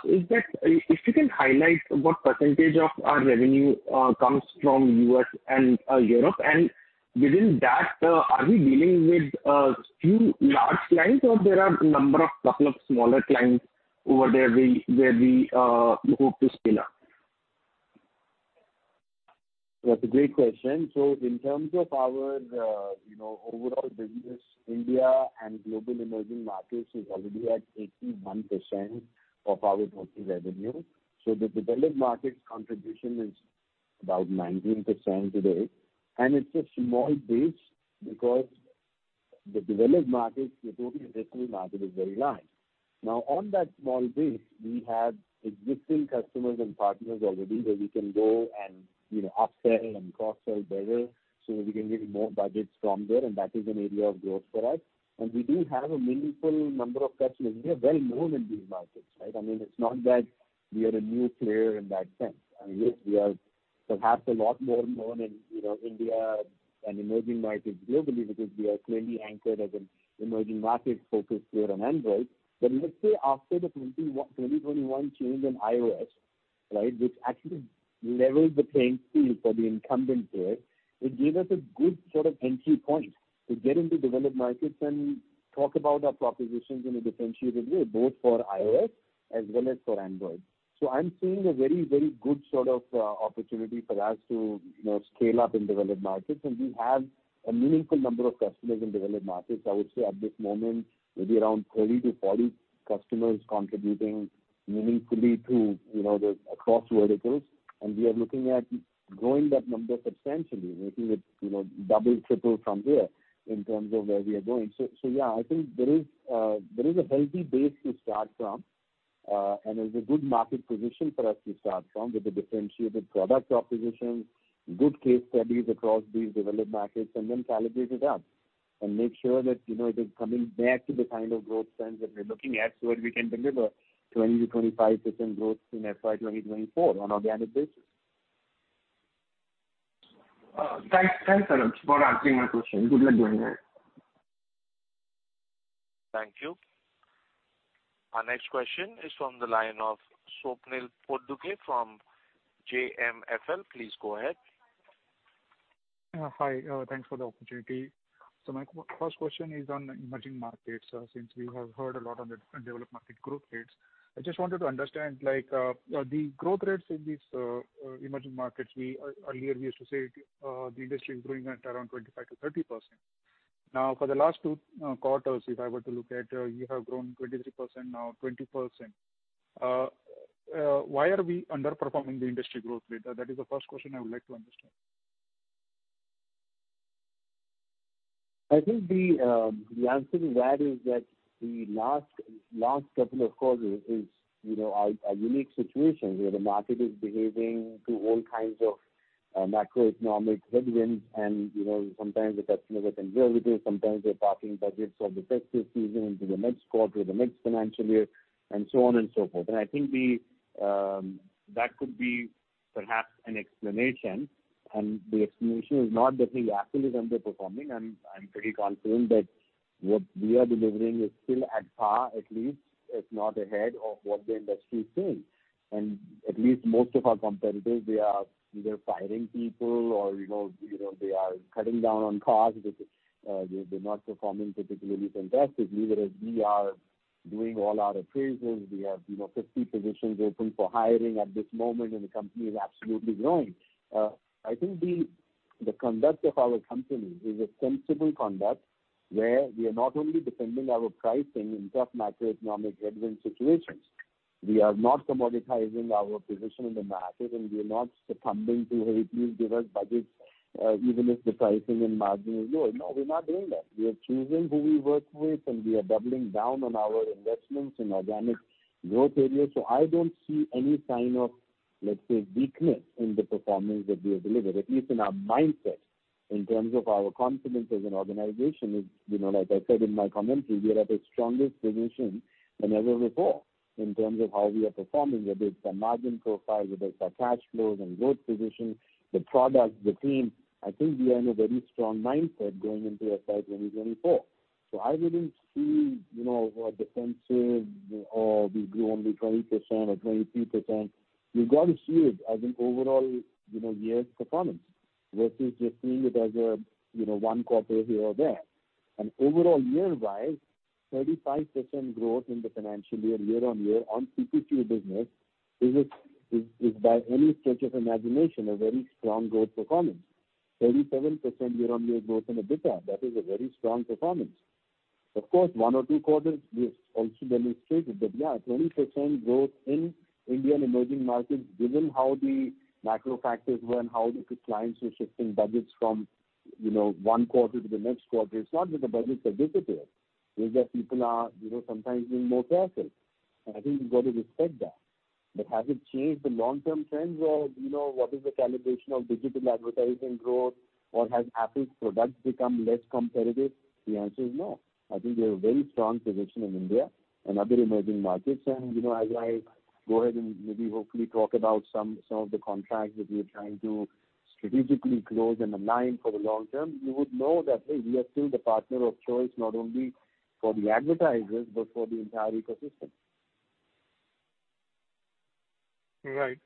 is that if you can highlight what percentage of our revenue, comes from US and Europe, and within that, are we dealing with, few large clients or there are number of couple of smaller clients over there we, where we, hope to scale up? That's a great question. In terms of our, you know, overall business, India and global emerging markets is already at 81% of our total revenue. The developed markets contribution is about 19% today. It's a small base because the developed markets, the total addressable market is very large. On that small base we have existing customers and partners already where we can go and, you know, upsell and cross-sell better so that we can get more budgets from there, and that is an area of growth for us. We do have a meaningful number of customers. We are very known in these markets, right? I mean, it's not that we are a new player in that sense. I mean, yes, we are perhaps a lot more known in, you know, India and emerging markets globally because we are clearly anchored as an emerging market focused player on Android. Let's say after the 2021 change in iOS, right? Which actually leveled the playing field for the incumbent players, it gave us a good sort of entry point to get into developed markets and talk about our propositions in a differentiated way, both for iOS as well as for Android. I'm seeing a very, very good sort of opportunity for us to, you know, scale up in developed markets. We have a meaningful number of customers in developed markets. I would say at this moment, maybe around 30 to 40 customers contributing meaningfully to, you know, the across verticals. We are looking at growing that number substantially, making it, you know, double, triple from there in terms of where we are going. Yeah, I think there is a healthy base to start from. There's a good market position for us to start from with a differentiated product proposition, good case studies across these developed markets, and then calibrate it up and make sure that, you know, it is coming back to the kind of growth trends that we're looking at so that we can deliver 20%-25% growth in FY 2024 on organic basis. Thanks. Thanks, Anuj, for answering my question. Good luck going ahead. Thank you. Our next question is from the line of Swapnil Potdukhe from JMFL. Please go ahead. Hi. Thanks for the opportunity. My first question is on emerging markets, since we have heard a lot on the different developed market growth rates. I just wanted to understand like the growth rates in these emerging markets. Earlier we used to say the industry is growing at around 25%-30%. Now, for the last two quarters, if I were to look at, you have grown 23%, now 20%. Why are we underperforming the industry growth rate? That is the first question I would like to understand. I think the answer to that is that the last couple of quarters is, you know, are a unique situation where the market is behaving to all kinds of macroeconomic headwinds. You know, sometimes the customers are conservative. Sometimes they're parking budgets for the festive season into the next quarter, the next financial year, and so on and so forth. I think the, that could be perhaps an explanation. The explanation is not that we're actually underperforming. I'm pretty confident that what we are delivering is still at par, at least, if not ahead of what the industry is saying. At least most of our competitors, they are either firing people or, you know, they are cutting down on costs. They're not performing particularly successfully. Whereas we are doing all our appraisals. We have, you know, 50 positions open for hiring at this moment. The company is absolutely growing. I think the conduct of our company is a sensible conduct, where we are not only defending our pricing in tough macroeconomic headwind situations. We are not commoditizing our position in the market. We are not succumbing to, "Hey, please give us budgets, even if the pricing and margin is low." No, we're not doing that. We are choosing who we work with. We are doubling down on our investments in organic growth areas. I don't see any sign of, let's say, weakness in the performance that we have delivered. At least in our mindset, in terms of our confidence as an organization is, you know, like I said in my commentary, we are at a strongest position than ever before in terms of how we are performing, whether it's our margin profile, whether it's our cash flows and growth position, the product, the team. I think we are in a very strong mindset going into FY 2024. I wouldn't see, you know, a defensive or we grow only 20% or 22%. You've got to see it as an overall, you know, year's performance versus just seeing it as a, you know, one quarter here or there. Overall year-wise, 35% growth in the financial year-on-year on CPCU business is a is by any stretch of imagination a very strong growth performance. 37% year-on-year growth in EBITDA, that is a very strong performance. Of course, one or two quarters we have also demonstrated that, yeah, 20% growth in Indian emerging markets, given how the macro factors were and how the clients were shifting budgets from, you know, one quarter to the next quarter. It's not that the budgets have disappeared. It's just people are, you know, sometimes being more careful, and I think we've got to respect that. Has it changed the long-term trends or, you know, what is the calibration of digital advertising growth, or has Apple's products become less competitive? The answer is no. I think we have a very strong position in India and other emerging markets. You know, as I go ahead and maybe hopefully talk about some of the contracts that we are trying to strategically close and align for the long term, you would know that, hey, we are still the partner of choice, not only for the advertisers but for the entire ecosystem. Right.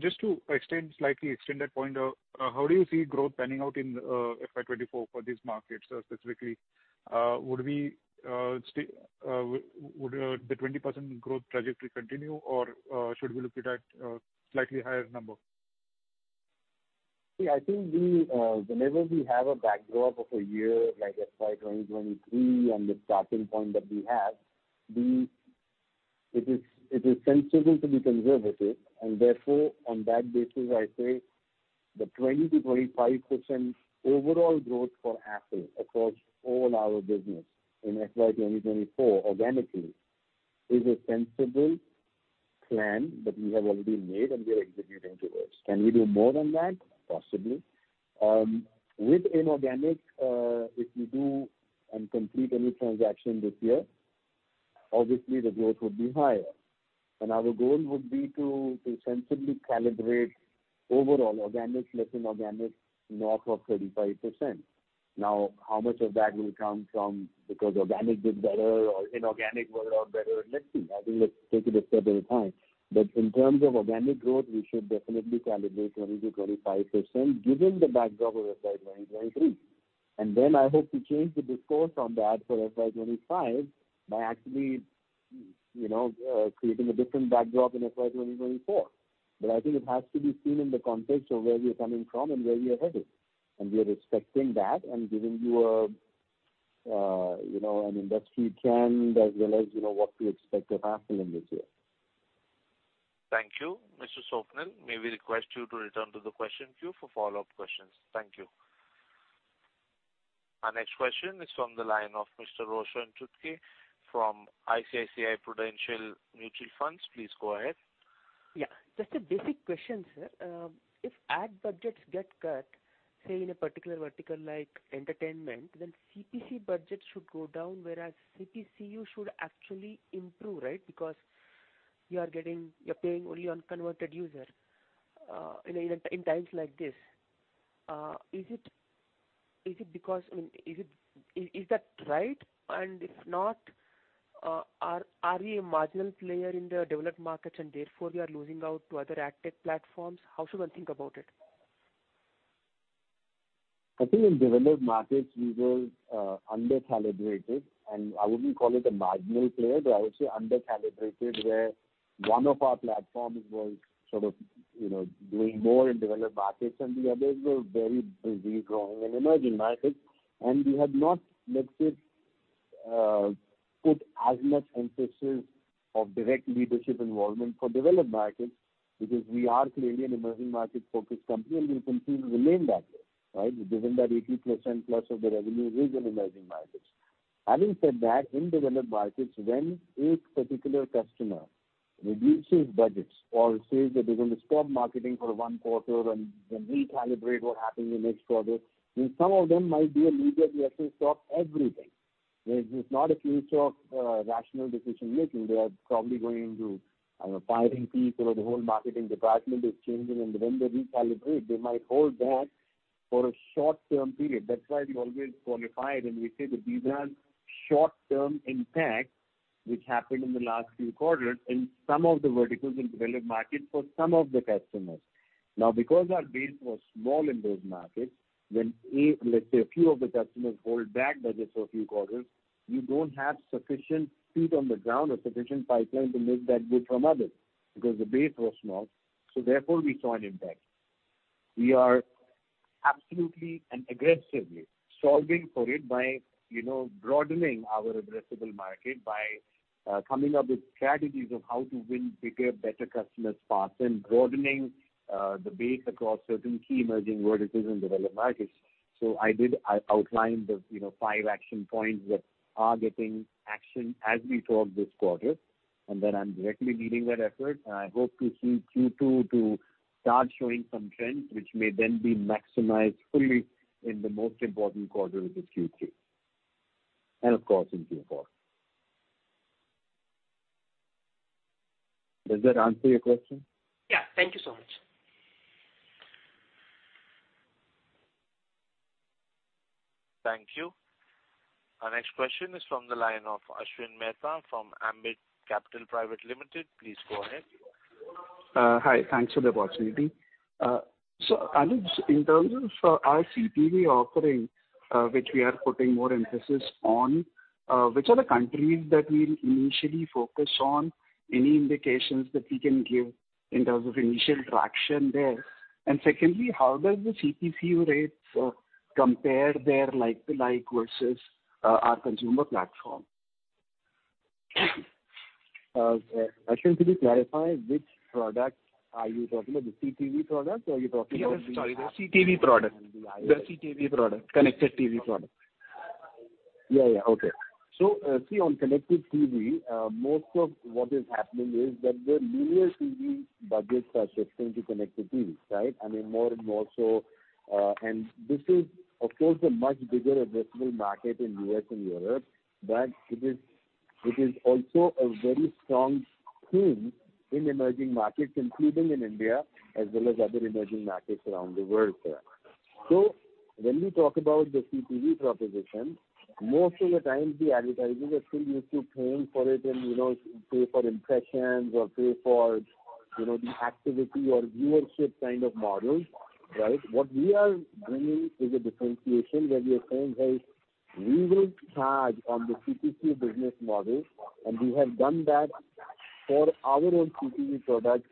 just to extend, slightly extend that point, how do you see growth panning out in FY 2024 for these markets specifically? would we, stay, the 20% growth trajectory continue or, should we look at it at a slightly higher number? Yeah, I think we, whenever we have a backdrop of a year like FY 2023 and the starting point that we have, it is sensible to be conservative and therefore on that basis I say the 20%-25% overall growth for Affle across all our business in FY 2024 organically is a sensible plan that we have already made and we are executing towards. Can we do more than that? Possibly. With inorganic, if we do and complete any transaction this year, obviously the growth would be higher. Our goal would be to sensibly calibrate overall organic plus inorganic north of 35%. Now, how much of that will come from because organic did better or inorganic worked out better? Let's see. I think let's take it a step at a time. In terms of organic growth, we should definitely calibrate 20%-25% given the backdrop of FY 2023. I hope to change the discourse on that for FY 2025 by actually, you know, creating a different backdrop in FY 2024. I think it has to be seen in the context of where we are coming from and where we are headed, and we are respecting that and giving you a, you know, an industry trend as well as, you know, what to expect of Affle in this year. Thank you. Mr. Swapnil, may we request you to return to the question queue for follow-up questions. Thank you. Our next question is from the line of Mr. Roshan Chutkey from ICICI Prudential Mutual Fund. Please go ahead. Yeah. Just a basic question, sir. If ad budgets get cut, say in a particular vertical like entertainment, then CPC budgets should go down, whereas CPCU should actually improve, right? Because you're paying only on converted user in times like this. Is it because, I mean, is that right? If not, are we a marginal player in the developed markets and therefore we are losing out to other ad tech platforms? How should one think about it? I think in developed markets we were under-calibrated, I wouldn't call it a marginal player, but I would say under-calibrated, where one of our platforms was sort of, you know, doing more in developed markets and the others were very busy growing in emerging markets. We had not, let's say, put as much emphasis of direct leadership involvement for developed markets because we are clearly an emerging market-focused company, and we'll continue remaining that way, right? Given that 80% plus of the revenue is in emerging markets. Having said that, in developed markets, when a particular customer reduces budgets or says that they're going to stop marketing for one quarter and recalibrate what happens in next quarter, then some of them might be a knee-jerk reaction, stop everything. There's not a case of rational decision-making. They are probably going into, I don't know, firing people or the whole marketing department is changing. When they recalibrate, they might hold back for a short-term period. That's why we always qualify it when we say that these are short-term impacts which happened in the last few quarters in some of the verticals in developed markets for some of the customers. Because our base was small in those markets, when a, let's say, a few of the customers hold back budgets for a few quarters, you don't have sufficient feet on the ground or sufficient pipeline to make that good from others because the base was small. Therefore we saw an impact. We are absolutely and aggressively solving for it by, you know, broadening our addressable market, by, coming up with strategies of how to win bigger, better customers faster, and broadening, the base across certain key emerging verticals in developed markets. I outlined the, you know, five action points that are getting action as we talk this quarter. I'm directly leading that effort, and I hope to see Q2 to start showing some trends which may then be maximized fully in the most important quarter, which is Q3, and of course in Q4. Does that answer your question? Yeah. Thank you so much. Thank you. Our next question is from the line of Ashwin Mehta from Ambit Capital Private Limited. Please go ahead. Hi. Thanks for the opportunity. Anuj, in terms of our CTV offering, which we are putting more emphasis on, which are the countries that we'll initially focus on, any indications that we can give in terms of initial traction there? Secondly, how does the CPCU rates compare there like to like versus our consumer platform? Ashwin, could you clarify which product are you talking about, the CTV product or are you talking about? Yeah, sorry, the CTV product. The CTV product. Connected TV product. Yeah, yeah. Okay. See on connected TV, most of what is happening is that their linear TV budgets are shifting to connected TV, right? I mean, more and more so. And this is of course a much bigger addressable market in U.S. and Europe, but it is also a very strong thing in emerging markets, including in India as well as other emerging markets around the world there. When we talk about the CTV proposition, most of the times the advertisers are still used to paying for it and, you know, pay for impressions or pay for, you know, the activity or viewership kind of models, right? What we are bringing is a differentiation where we are saying, "Hey, we will charge on the CPC business model," and we have done that for our own CTV products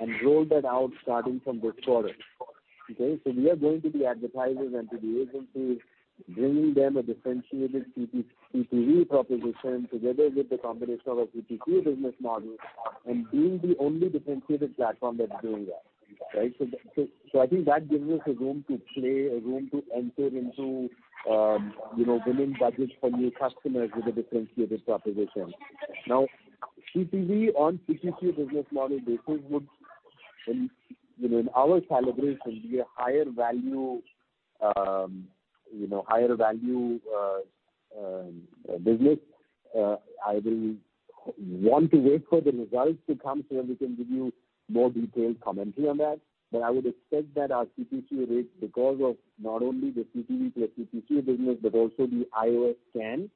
and rolled that out starting from this quarter. Okay? We are going to the advertisers and to the agencies, bringing them a differentiated CP-CTV proposition together with the combination of a CPC business model and being the only differentiated platform that's doing that. Right? I think that gives us a room to play, a room to enter into, you know, winning budgets from new customers with a differentiated proposition. Now, CTV on CPC business model therefore would in, you know, in our calibration be a higher value, you know, higher value, business. I will want to wait for the results to come, so that we can give you more detailed commentary on that. I would expect that our CPC rates because of not only the CTV plus CPC business, but also the iOS SKAN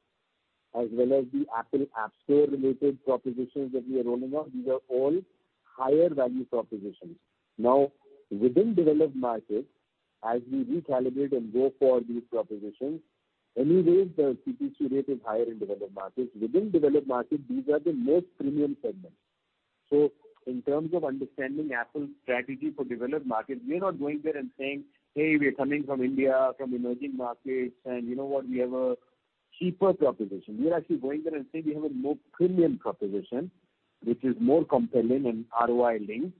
as well as the Apple App Store related propositions that we are rolling out, these are all higher value propositions. Within developed markets, as we recalibrate and go for these propositions, anyways the CPC rate is higher in developed markets. Within developed markets, these are the most premium segments. In terms of understanding Apple's strategy for developed markets, we are not going there and saying, "Hey, we are coming from India, from emerging markets, and you know what? We have a cheaper proposition." We are actually going there and saying we have a more premium proposition which is more compelling and ROI linked.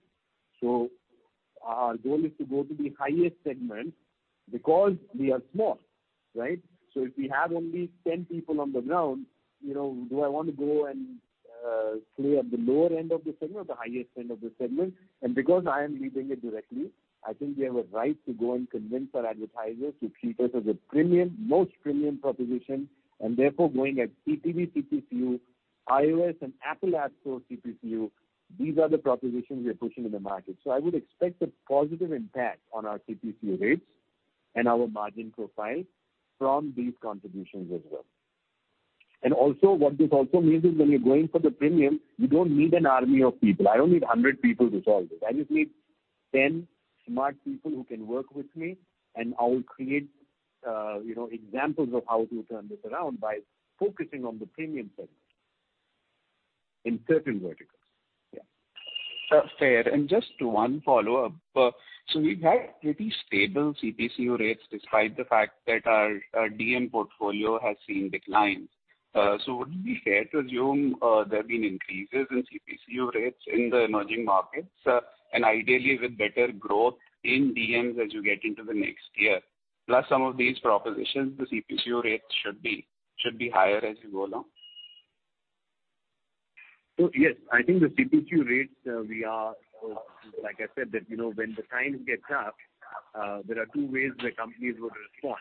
Our goal is to go to the highest segment because we are small, right? If we have only 10 people on the ground, you know, do I want to go and play at the lower end of the segment or the highest end of the segment? Because I am leading it directly, I think we have a right to go and convince our advertisers to treat us as a premium, most premium proposition, and therefore going at CTV, CPCU, iOS and Apple App Store CPCU, these are the propositions we are pushing in the market. I would expect a positive impact on our CPCU rates and our margin profile from these contributions as well. Also what this also means is when you're going for the premium, you don't need an army of people. I don't need 100 people to solve this. I just need 10 smart people who can work with me and I will create, you know, examples of how to turn this around by focusing on the premium segment in certain verticals. Yeah. Fair. Just one follow-up. We've had pretty stable CPCU rates despite the fact that our DM portfolio has seen decline. Would it be fair to assume there have been increases in CPCU rates in the emerging markets, and ideally with better growth in DMs as you get into the next year, plus some of these propositions, the CPCU rates should be higher as you go along? Yes, I think the CPCU rates, we are, like I said, that, you know, when the times gets tough, there are two ways the companies would respond.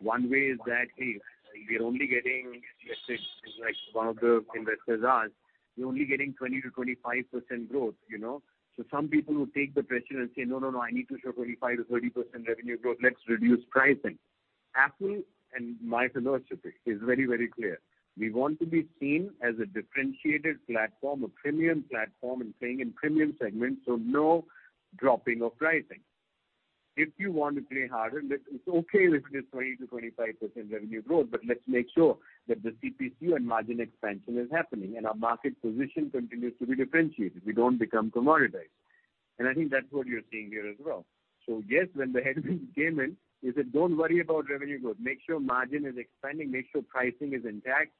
One way is that, "Hey, we're only getting," let's say, like one of the investors asked, "We're only getting 20%-25% growth," you know? Some people will take the pressure and say, "No, no, I need to show 25%-30% revenue growth. Let's reduce pricing." Affle and my philosophy is very, very clear. We want to be seen as a differentiated platform, a premium platform, and playing in premium segments, no dropping of pricing. If you want to play harder, It's okay if it is 20%-25% revenue growth, but let's make sure that the CPCU and margin expansion is happening and our market position continues to be differentiated. We don't become commoditized. I think that's what you're seeing here as well. Yes, when the headwind came in, we said, "Don't worry about revenue growth. Make sure margin is expanding. Make sure pricing is intact.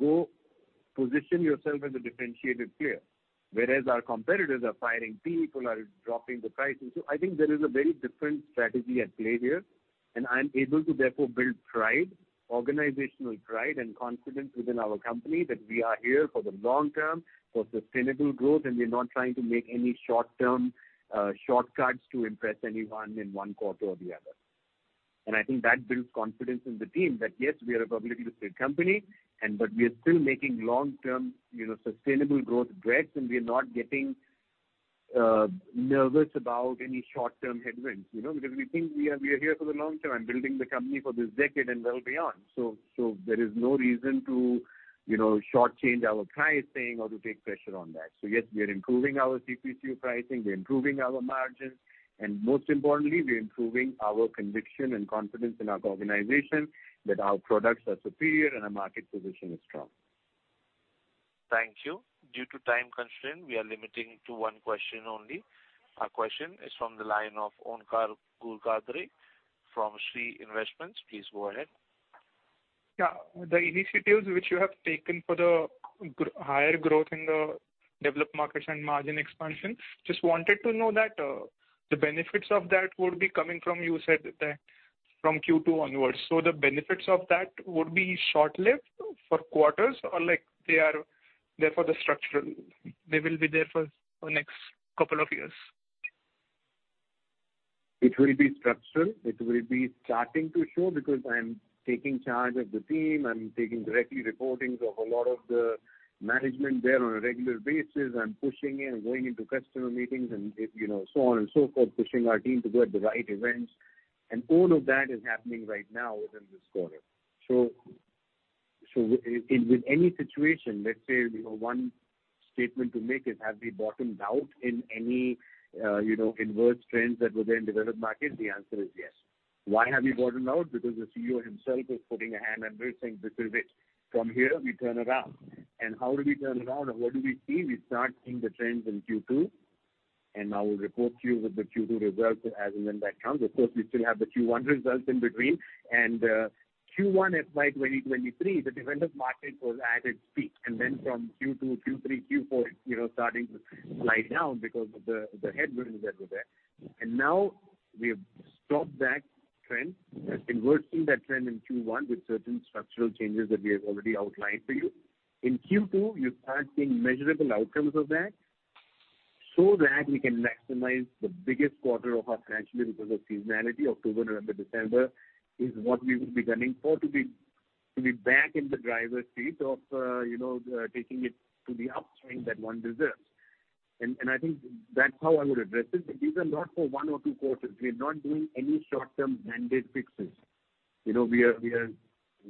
Go position yourself as a differentiated player." Whereas our competitors are firing people, are dropping the pricing. I think there is a very different strategy at play here, and I'm able to therefore build pride, organizational pride and confidence within our company that we are here for the long term, for sustainable growth, and we're not trying to make any short-term shortcuts to impress anyone in one quarter or the other. I think that builds confidence in the team that, yes, we are a publicly listed company and but we are still making long-term, you know, sustainable growth bets, and we are not getting nervous about any short-term headwinds, you know, because we think we are, we are here for the long term and building the company for this decade and well beyond. There is no reason to, you know, shortchange our pricing or to take pressure on that. Yes, we are improving our CPCU pricing, we're improving our margins, and most importantly, we're improving our conviction and confidence in our organization that our products are superior and our market position is strong. Thank you. Due to time constraint, we are limiting to one question only. Our question is from the line of Onkar Ghugardare from Shree Investments. Please go ahead. Yeah. The initiatives which you have taken for the higher growth in the developed markets and margin expansion, just wanted to know that the benefits of that would be coming from, you said that from Q2 onwards, so the benefits of that would be short-lived for quarters or like they are there for the next couple of years? It will be structural. It will be starting to show because i am taking charge of the team. I'm taking directly reportings of a lot of the management there on a regular basis. I'm pushing it. I'm going into customer meetings and if, you know, so on and so forth, pushing our team to go at the right events. All of that is happening right now within this quarter. With any situation, let's say, you know, one statement to make is have we bottomed out in any, you know, adverse trends that were there in developed markets? The answer is yes. Why have we bottomed out? Because the Chief Executive Officer himself is putting a hand and we're saying this is it. From here we turn around. How do we turn around and what do we see? We start seeing the trends in Q2, and I will report to you with the Q2 results as and when that comes. Of course, we still have the Q1 results in between. Q1 FY 2023, the developed market was at its peak, and then from Q2, Q3, Q4, you know, starting to slide down because of the headwinds that were there. Now we have stopped that trend. We're inverting that trend in Q1 with certain structural changes that we have already outlined for you. In Q2, you start seeing measurable outcomes of that so that we can maximize the biggest quarter of our financially because of seasonality. October, November, December is what we will be gunning for to be back in the driver's seat of, you know, taking it to the upstream that one deserves. I think that's how I would address this. These are not for one or two quarters. We're not doing any short-term mandate fixes. You know, we are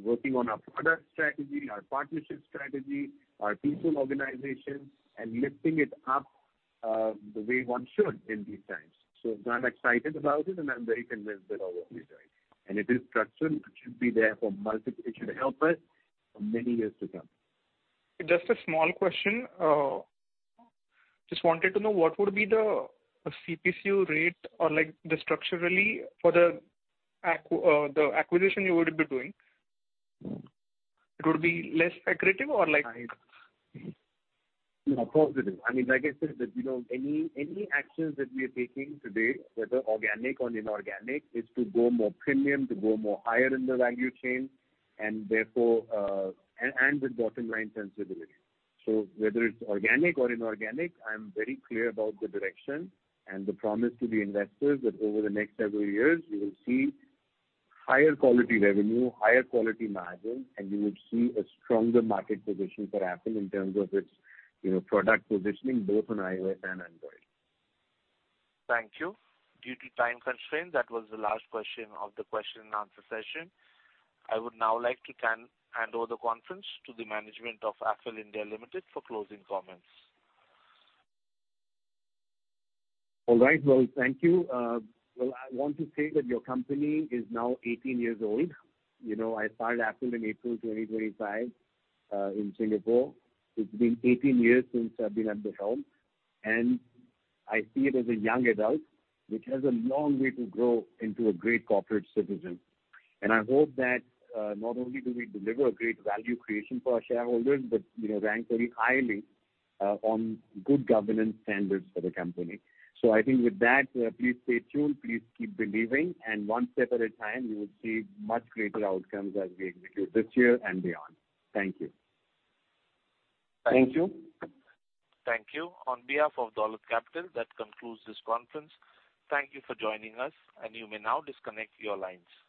working on our product strategy, our partnership strategy, our people organization, and lifting it up the way one should in these times. I'm excited about it and I'm very convinced with all what we're doing. It is structural. It should help us for many years to come. Just a small question. Just wanted to know what would be the CPCU rate or like the structurally for the acquisition you would be doing? It would be less accretive. No, positive. I mean, like I said, that, you know, any actions that we are taking today, whether organic or inorganic, is to go more premium, to go more higher in the value chain, and therefore, and with bottom line sensibility. Whether it's organic or inorganic, I'm very clear about the direction and the promise to the investors that over the next several years we will see higher quality revenue, higher quality margins, and you would see a stronger market position for Affle in terms of its, you know, product positioning both on iOS and Android. Thank you. Due to time constraint, that was the last question of the question and answer session. I would now like to handle the conference to the management of Affle (India) Limited for closing comments. All right. Well, thank you. Well, I want to say that your company is now 18 years old. You know, I started Affle in April 2025, in Singapore. It's been 18 years since I've been at the helm, and I see it as a young adult which has a long way to grow into a great corporate citizen. I hope that, not only do we deliver a great value creation for our shareholders, but, you know, rank very highly on good governance standards for the company. I think with that, please stay tuned, please keep believing, and one step at a time you will see much greater outcomes as we execute this year and beyond. Thank you. Thank you. Thank you. On behalf of Dolat Capital, that concludes this conference. Thank you for joining us, and you may now disconnect your lines.